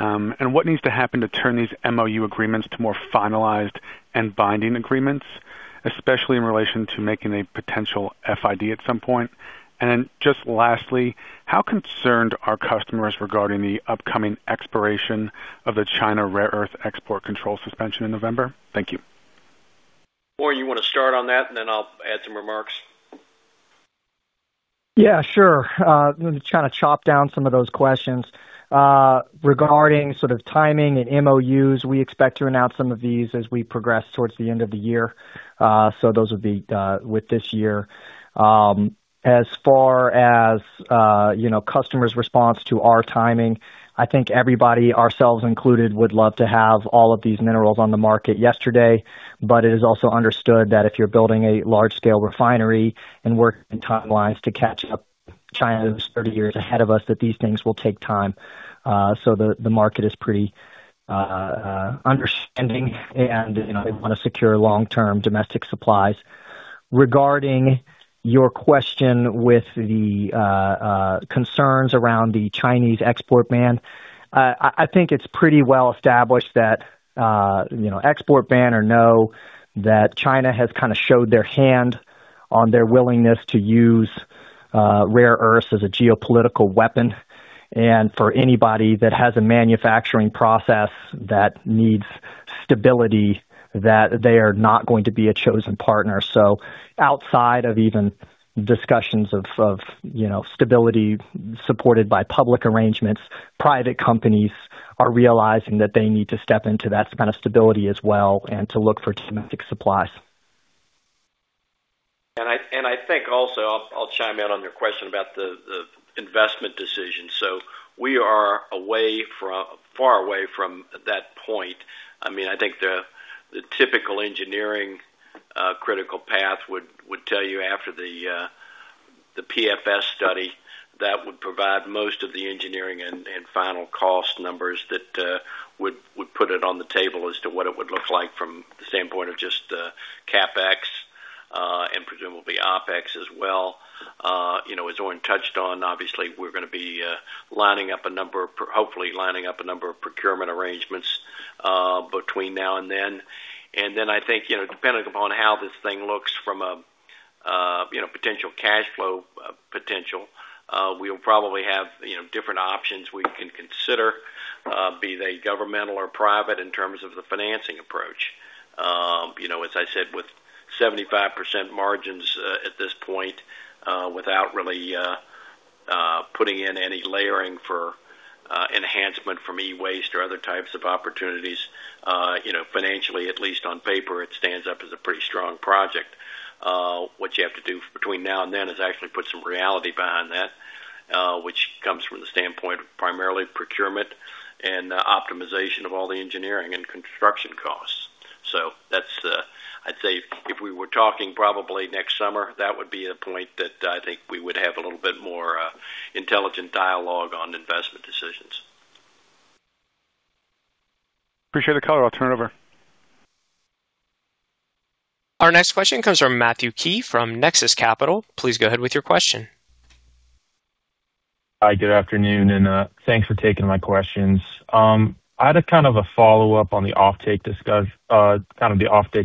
What needs to happen to turn these MOU agreements to more finalized and binding agreements, especially in relation to making a potential FID at some point. Just lastly, how concerned are customers regarding the upcoming expiration of the China rare earth export control suspension in November? Thank you. Orin, you want to start on that, and then I'll add some remarks. Yeah, sure. Let me try to chop down some of those questions. Regarding sort of timing and MOUs, we expect to announce some of these as we progress towards the end of the year. Those would be with this year. As far as customers' response to our timing, I think everybody, ourselves included, would love to have all of these minerals on the market yesterday. It is also understood that if you're building a large-scale refinery and working timelines to catch up, China is 30 years ahead of us, that these things will take time. The market is pretty understanding, and they want to secure long-term domestic supplies. Regarding your question with the concerns around the Chinese export ban, I think it's pretty well established that export ban or no, that China has kind of showed their hand on their willingness to use rare earths as a geopolitical weapon. For anybody that has a manufacturing process that needs stability, they are not going to be a chosen partner. Outside of even discussions of stability supported by public arrangements, private companies are realizing that they need to step into that kind of stability as well and to look for domestic supplies. I think also, I'll chime in on your question about the investment decision. We are far away from that point. I think the typical engineering critical path would tell you after the PFS study, that would provide most of the engineering and final cost numbers that would put it on the table as to what it would look like from the standpoint of just CapEx and presumably OpEx as well. As Orin touched on, obviously, we're going to be hopefully lining up a number of procurement arrangements between now and then. Then I think depending upon how this thing looks from a potential cash flow potential, we'll probably have different options we can consider, be they governmental or private, in terms of the financing approach. As I said, with 75% margins at this point, without really putting in any layering for enhancement from e-waste or other types of opportunities, financially, at least on paper, it stands up as a pretty strong project. What you have to do between now and then is actually put some reality behind that, which comes from the standpoint of primarily procurement and optimization of all the engineering and construction costs. I'd say if we were talking probably next summer, that would be a point that I think we would have a little bit more intelligent dialogue on investment decisions. Appreciate the color. I'll turn it over. Our next question comes from Matthew Key from Texas Capital. Please go ahead with your question. Hi, good afternoon. Thanks for taking my questions. I had a follow-up on the offtake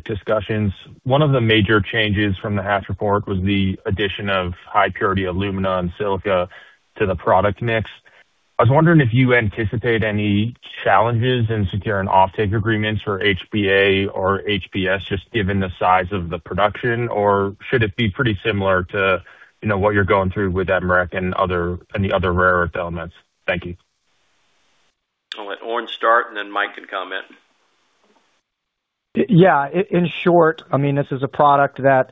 discussions. One of the major changes from the Hatch Report was the addition of high purity alumina and silica to the product mix. I was wondering if you anticipate any challenges in securing offtake agreements for HPA or HPS, just given the size of the production? Should it be pretty similar to what you're going through with REE and any other rare earth elements? Thank you. I'll let Orin start. Mike can comment. Yeah. In short, this is a product that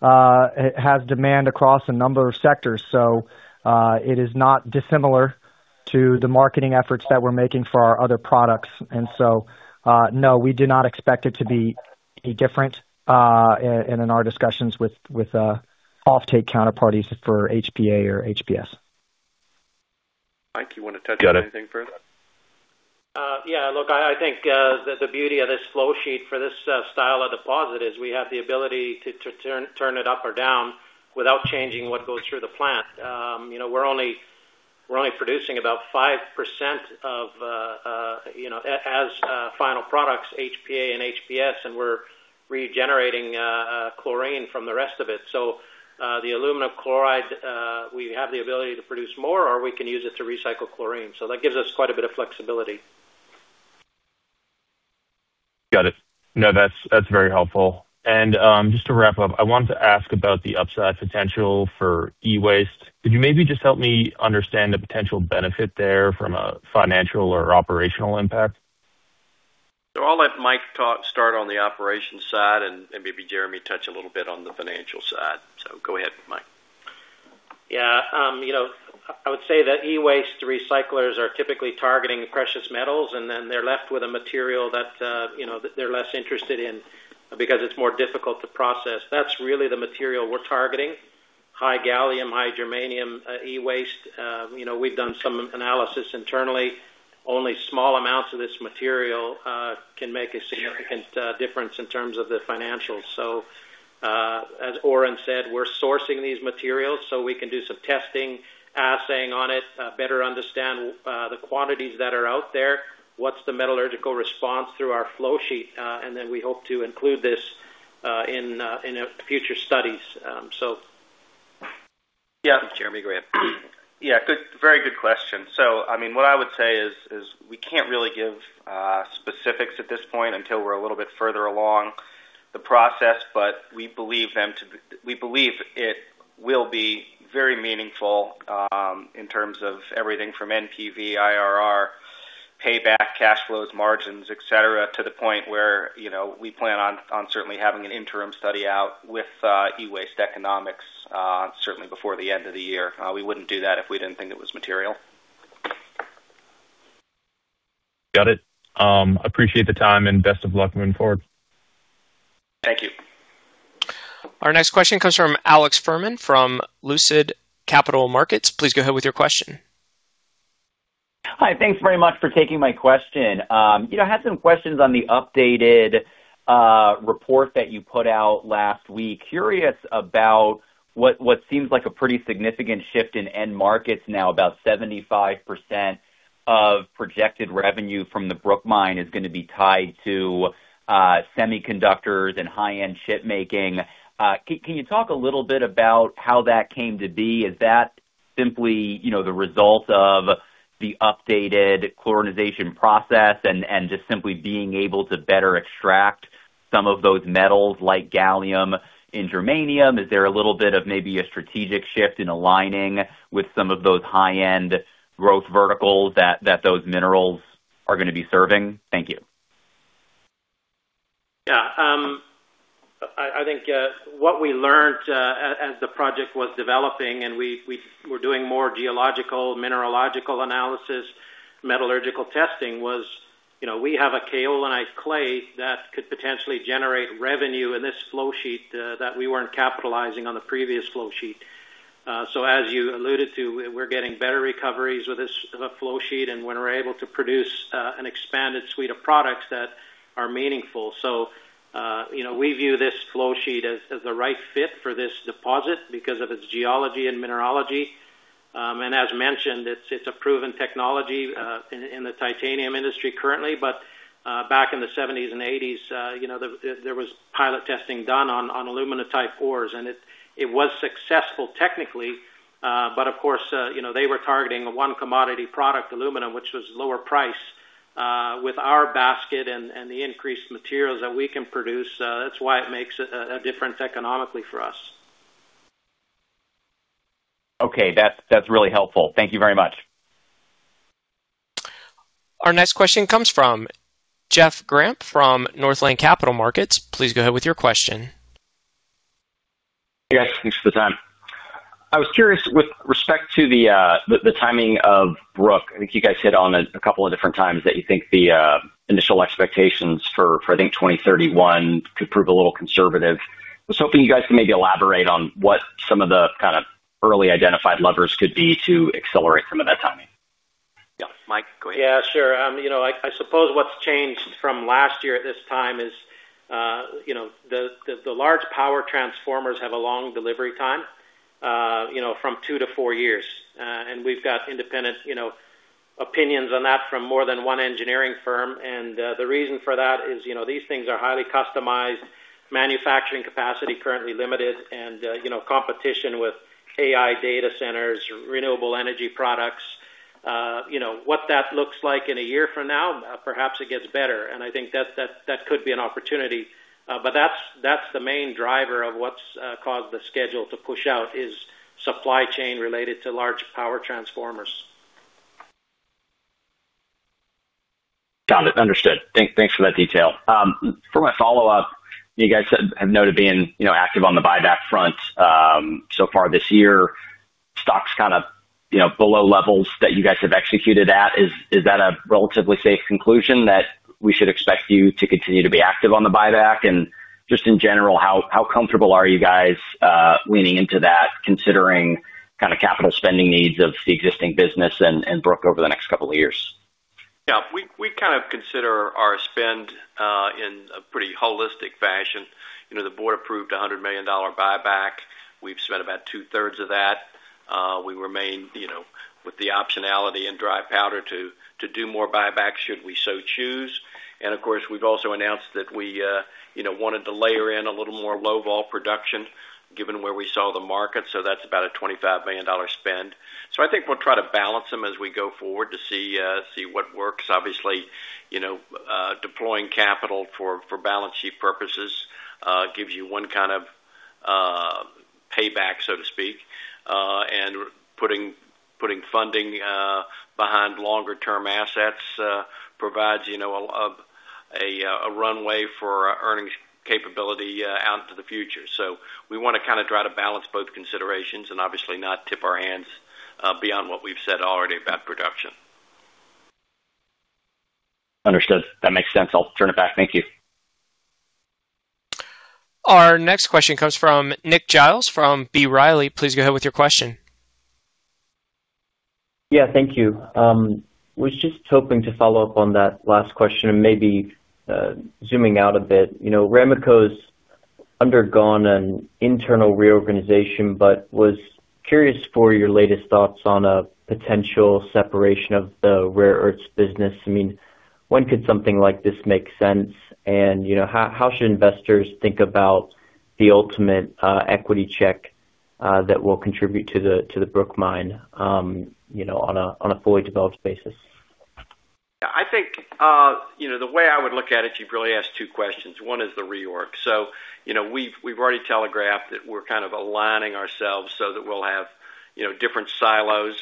has demand across a number of sectors, so it is not dissimilar to the marketing efforts that we're making for our other products. No, we do not expect it to be any different in our discussions with offtake counterparties for HPA or HPS. Mike, you want to touch on anything further? Got it. Yeah, look, I think the beauty of this flow sheet for this style of deposit is we have the ability to turn it up or down without changing what goes through the plant. We're only producing about 5% as final products, HPA and HPS, and we're regenerating chlorine from the rest of it. The aluminum chloride, we have the ability to produce more, or we can use it to recycle chlorine. That gives us quite a bit of flexibility. Got it. No, that's very helpful. Just to wrap up, I wanted to ask about the upside potential for e-waste. Could you maybe just help me understand the potential benefit there from a financial or operational impact? I'll let Mike start on the operations side, and maybe Jeremy touch a little bit on the financial side. Go ahead, Mike. I would say that e-waste recyclers are typically targeting precious metals, and then they're left with a material that they're less interested in because it's more difficult to process. That's really the material we're targeting, high gallium, high germanium, e-waste. We've done some analysis internally. Only small amounts of this material can make a significant difference in terms of the financials. As Orin said, we're sourcing these materials so we can do some testing, assaying on it, better understand the quantities that are out there, what's the metallurgical response through our flow sheet, and then we hope to include this in future studies. Jeremy go ahead. Very good question. What I would say is we can't really give specifics at this point until we're a little bit further along the process, but we believe it will be very meaningful, in terms of everything from NPV, IRR, payback, cash flows, margins, et cetera, to the point where we plan on certainly having an interim study out with e-waste economics, certainly before the end of the year. We wouldn't do that if we didn't think it was material. Got it. Appreciate the time. Best of luck moving forward. Thank you. Our next question comes from Alex Fuhrman from Lucid Capital Markets. Please go ahead with your question. Hi. Thanks very much for taking my question. I had some questions on the updated report that you put out last week. Curious about what seems like a pretty significant shift in end markets now, about 75% of projected revenue from the Brook Mine is going to be tied to semiconductors and high-end chip making. Can you talk a little bit about how that came to be? Is that simply the result of the updated carbochlorination process and just simply being able to better extract some of those metals like gallium and germanium? Is there a little bit of maybe a strategic shift in aligning with some of those high-end growth verticals that those minerals are going to be serving? Thank you. Yeah. I think what we learned as the project was developing, and we were doing more geological, mineralogical analysis, metallurgical testing was, we have a kaolinite clay that could potentially generate revenue in this flow sheet that we weren't capitalizing on the previous flow sheet. As you alluded to, we're getting better recoveries with this flow sheet and when we're able to produce an expanded suite of products that are meaningful. We view this flow sheet as the right fit for this deposit because of its geology and mineralogy. As mentioned, it's a proven technology in the titanium industry currently. Back in the 1970s and 1980s, there was pilot testing done on alumina type 4s, and it was successful technically. Of course, they were targeting one commodity product, aluminum, which was lower price. With our basket and the increased materials that we can produce, that's why it makes a difference economically for us. Okay. That's really helpful. Thank you very much. Our next question comes from Jeff Grampp from Northland Capital Markets. Please go ahead with your question. Hey, guys. Thanks for the time. I was curious with respect to the timing of Brook Mine. I think you guys hit on it a couple of different times that you think the initial expectations for, I think, 2031 could prove a little conservative. I was hoping you guys could maybe elaborate on what some of the early identified levers could be to accelerate some of that timing. Yeah. Mike, go ahead. Yeah, sure. I suppose what's changed from last year at this time is the large power transformers have a long delivery time, from two to four years. We've got independent opinions on that from more than one engineering firm. The reason for that is these things are highly customized, manufacturing capacity currently limited, and competition with AI data centers, renewable energy products. What that looks like in a year from now, perhaps it gets better, and I think that could be an opportunity. That's the main driver of what's caused the schedule to push out is supply chain related to large power transformers. Got it. Understood. Thanks for that detail. For my follow-up, you guys have noted being active on the buyback front so far this year. Stock's kind of below levels that you guys have executed at. Is that a relatively safe conclusion that we should expect you to continue to be active on the buyback? Just in general, how comfortable are you guys leaning into that considering capital spending needs of the existing business and Brook Mine over the next couple of years? Yeah. We kind of consider our spend in a pretty holistic fashion. The board approved a $100 million buyback. We've spent about two-thirds of that. We remain with the optionality and dry powder to do more buybacks should we so choose. Of course, we've also announced that we wanted to layer in a little more low-vol production given where we saw the market. That's about a $25 million spend. I think we'll try to balance them as we go forward to see what works. Obviously, deploying capital for balance sheet purposes gives you one kind of payback, so to speak. Funding behind longer term assets provides a runway for earnings capability out into the future. We want to try to balance both considerations and obviously not tip our hands beyond what we've said already about production. Understood. That makes sense. I'll turn it back. Thank you. Our next question comes from Nick Giles from B. Riley. Please go ahead with your question. Yeah. Thank you. I was just hoping to follow up on that last question and maybe zooming out a bit. Ramaco's undergone an internal reorganization, was curious for your latest thoughts on a potential separation of the rare earths business. When could something like this make sense? How should investors think about the ultimate equity check that will contribute to the Brook Mine on a fully developed basis? I think, the way I would look at it, you've really asked two questions. One is the reorg. We've already telegraphed that we're kind of aligning ourselves so that we'll have different silos.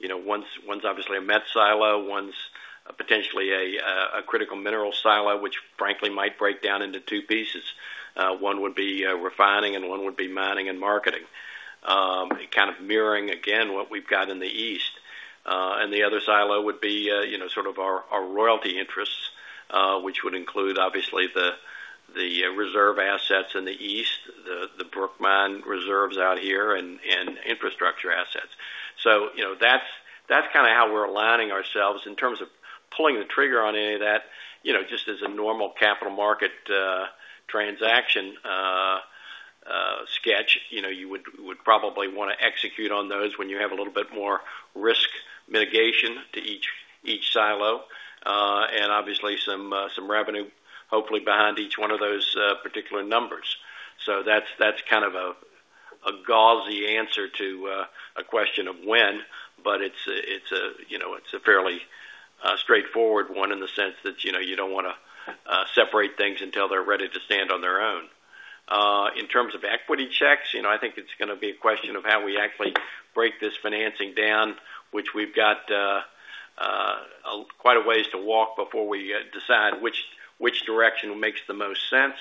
One's obviously a met silo, one's potentially a critical mineral silo, which frankly might break down into two pieces. One would be refining, and one would be mining and marketing. Kind of mirroring again, what we've got in the East. The other silo would be sort of our royalty interests, which would include obviously the reserve assets in the East, the Brook Mine reserves out here, and infrastructure assets. That's how we're aligning ourselves. In terms of pulling the trigger on any of that, just as a normal capital market transaction sketch, you would probably want to execute on those when you have a little bit more risk mitigation to each silo. Obviously some revenue hopefully behind each one of those particular numbers. That's kind of a gauzy answer to a question of when, but it's a fairly straightforward one in the sense that you don't want to separate things until they're ready to stand on their own. In terms of equity checks, I think it's going to be a question of how we actually break this financing down, which we've got quite a ways to walk before we decide which direction makes the most sense.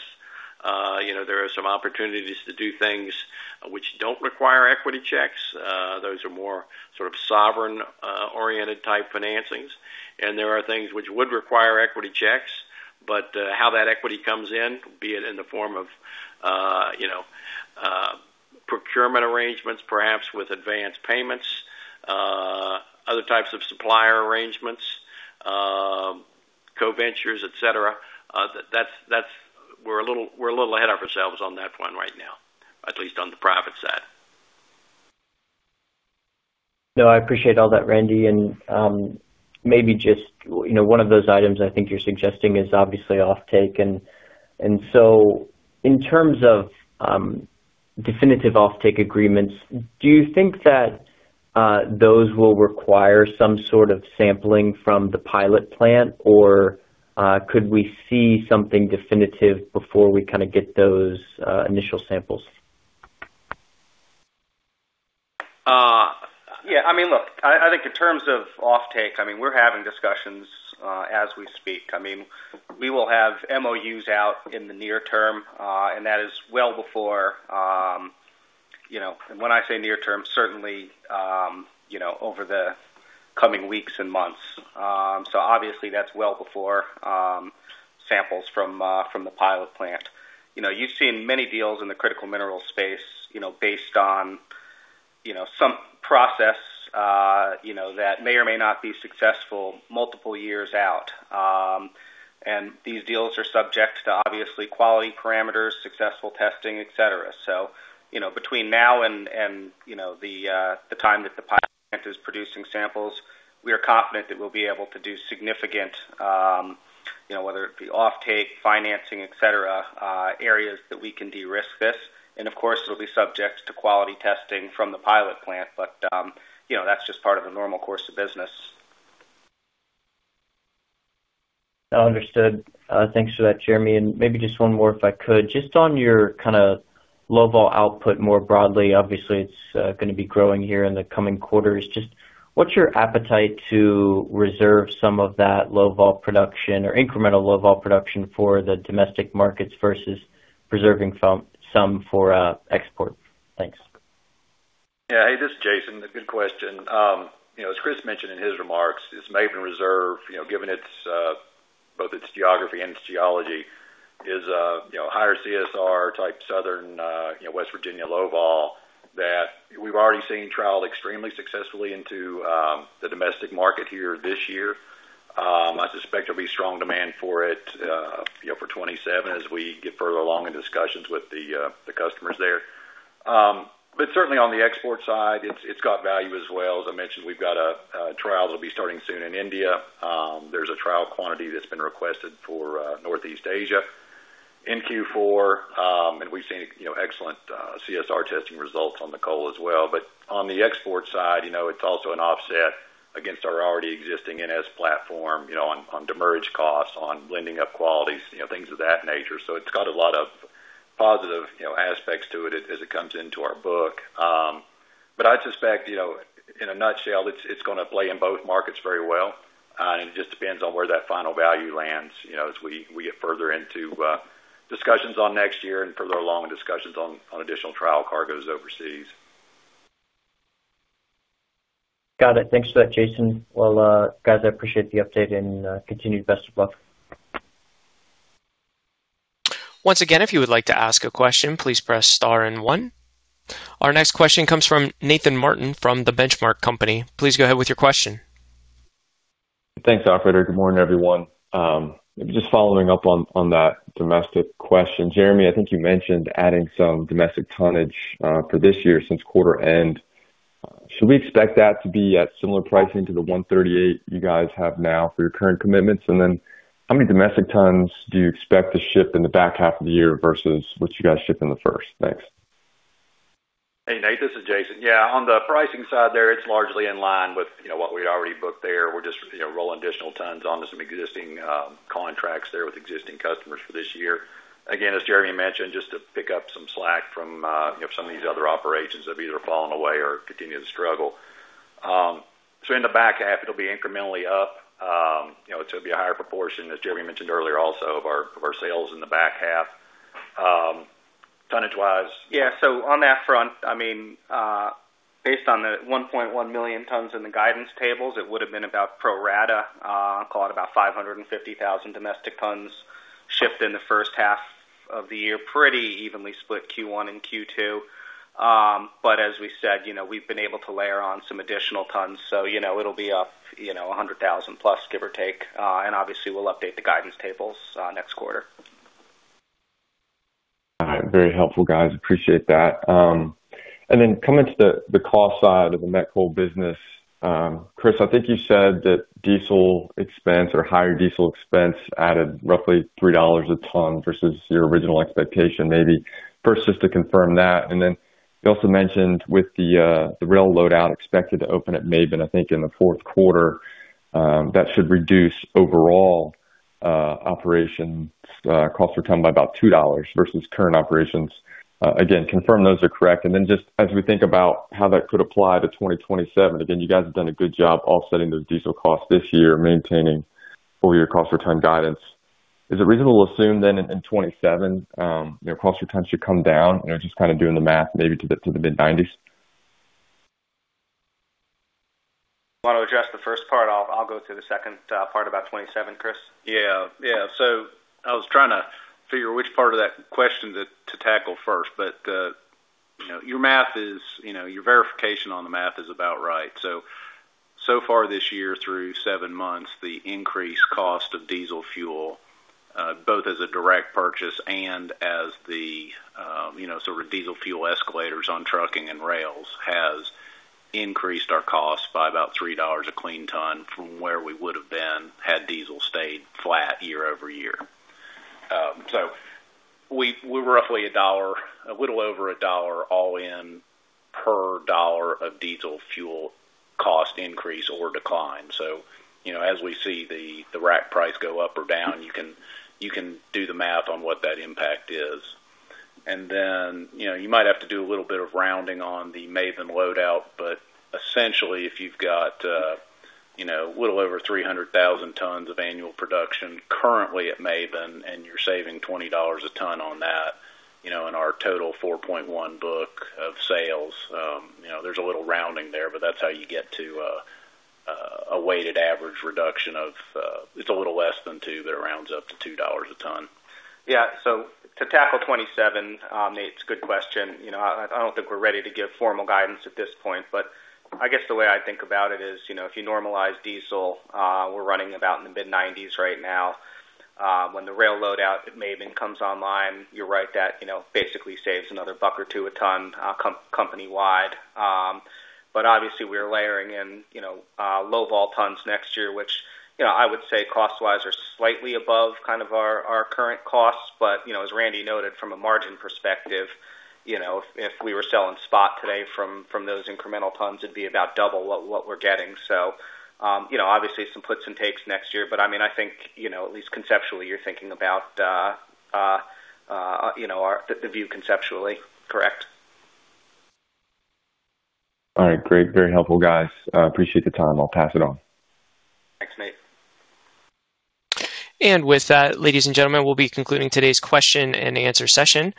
There are some opportunities to do things which don't require equity checks. Those are more sort of sovereign oriented type financings, and there are things which would require equity checks. How that equity comes in, be it in the form of procurement arrangements, perhaps with advanced payments, other types of supplier arrangements, co-ventures, et cetera. We're a little ahead of ourselves on that one right now, at least on the private side. I appreciate all that, Randy. Maybe just one of those items I think you're suggesting is obviously offtake. In terms of definitive offtake agreements, do you think that those will require some sort of sampling from the pilot plant, or could we see something definitive before we kind of get those initial samples? Yeah. Look, I think in terms of offtake, we're having discussions as we speak. We will have MOUs out in the near term, that is well before. When I say near term, certainly over the coming weeks and months. Obviously that's well before samples from the pilot plant. You've seen many deals in the critical mineral space based on some process that may or may not be successful multiple years out. These deals are subject to obviously quality parameters, successful testing, et cetera. Between now and the time that the pilot plant is producing samples, we are confident that we'll be able to do significant, whether it be offtake, financing, et cetera, areas that we can de-risk this. Of course, it'll be subject to quality testing from the pilot plant, but that's just part of the normal course of business. Understood. Thanks for that, Jeremy. Maybe just one more, if I could. Just on your kind of low-vol output more broadly, obviously it's going to be growing here in the coming quarters. Just what's your appetite to reserve some of that low-vol production or incremental low-vol production for the domestic markets versus preserving some for export? Thanks. Yeah. Hey, this is Jason. Good question. As Chris mentioned in his remarks, this Maben reserve, given both its geography and its geology is a higher CSR type southern West Virginia, low-vol that we've already seen trial extremely successfully into the domestic market here this year. I suspect there'll be strong demand for it for 2027 as we get further along in discussions with the customers there. Certainly on the export side, it's got value as well. As I mentioned, we've got a trial that'll be starting soon in India. There's a trial quantity that's been requested for Northeast Asia in Q4. We've seen excellent CSR testing results on the coal as well. On the export side, it's also an offset against our already existing NS platform on demurrage costs, on blending up qualities, things of that nature. It's got a lot of. It has positive aspects to it as it comes into our book. I'd suspect, in a nutshell, it's going to play in both markets very well. It just depends on where that final value lands, as we get further into discussions on next year and further along in discussions on additional trial cargoes overseas. Got it. Thanks for that, Jason. Well, guys, I appreciate the update and continued best of luck. Once again, if you would like to ask a question, please press star and one. Our next question comes from Nathan Martin from The Benchmark Company. Please go ahead with your question. Thanks, operator. Good morning, everyone. Just following up on that domestic question. Jeremy, I think you mentioned adding some domestic tonnage for this year since quarter end. Should we expect that to be at similar pricing to the 138 you guys have now for your current commitments? And then how many domestic tons do you expect to ship in the back half of the year versus what you guys ship in the first? Thanks. Hey, Nate, this is Jason. Yeah, on the pricing side there, it's largely in line with what we already booked there. We're just rolling additional tons onto some existing contracts there with existing customers for this year. Again, as Jeremy mentioned, just to pick up some slack from some of these other operations that have either fallen away or continue to struggle. In the back half, it'll be incrementally up. It should be a higher proportion, as Jeremy mentioned earlier also, of our sales in the back half, tonnage-wise. On that front, based on the 1.1 million tons in the guidance tables, it would've been about pro rata, call it about 550,000 domestic tons shipped in the first half of the year, pretty evenly split Q1 and Q2. As we said, we've been able to layer on some additional tons. It'll be up 100,000+, give or take. Obviously, we'll update the guidance tables next quarter. All right. Very helpful, guys. Appreciate that. Coming to the cost side of the met coal business. Chris, I think you said that diesel expense or higher diesel expense added roughly $3 a ton versus your original expectation. Maybe first just to confirm that. You also mentioned with the rail load out expected to open at Maben, I think, in the fourth quarter, that should reduce overall operations cost per ton by about $2 versus current operations. Again, confirm those are correct. Just as we think about how that could apply to 2027. Again, you guys have done a good job offsetting those diesel costs this year, maintaining full year cost per ton guidance. Is it reasonable to assume then in 2027, cost per ton should come down? Just kind of doing the math, maybe to the mid-90s. Want to address the first part, I'll go through the second part about 2027. Chris? Yeah. I was trying to figure which part of that question to tackle first. Your verification on the math is about right. So far this year, through seven months, the increased cost of diesel fuel both as a direct purchase and as the sort of diesel fuel escalators on trucking and rails, has increased our cost by about $3 a clean ton from where we would've been had diesel stayed flat year-over-year. We're roughly a little over a dollar all in per dollar of diesel fuel cost increase or decline. You might have to do a little bit of rounding on the Maben load out. Essentially, if you've got a little over 300,000 tons of annual production currently at Maben and you're saving $20 a ton on that in our total 4.1 book of sales, there's a little rounding there, but that's how you get to a weighted average reduction of, it's a little less than two, but it rounds up to $2 a ton. Yeah. To tackle 2027, Nate, it's a good question. I don't think we're ready to give formal guidance at this point, but I guess the way I think about it is, if you normalize diesel, we're running about in the mid-90s right now. When the rail load out at Maben comes online, you're right that basically saves another $1 or $2 a ton company-wide. Obviously we are layering in low-vol tons next year, which I would say cost-wise are slightly above kind of our current costs. But as Randy noted from a margin perspective, if we were selling spot today from those incremental tons, it'd be about double what we're getting. Obviously some puts and takes next year, but I think at least conceptually, you're thinking about the view conceptually correct. All right. Great. Very helpful, guys. I appreciate the time. I'll pass it on. Thanks, Nate. With that, ladies and gentlemen, we'll be concluding today's question and answer session.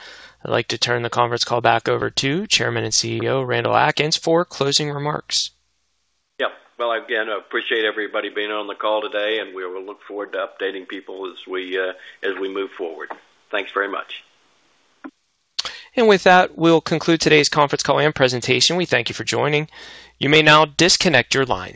I'd like to turn the conference call back over to Chairman and CEO, Randall Atkins, for closing remarks. Yep. Well, again, I appreciate everybody being on the call today, and we will look forward to updating people as we move forward. Thanks very much. With that, we'll conclude today's conference call and presentation. We thank you for joining. You may now disconnect your lines.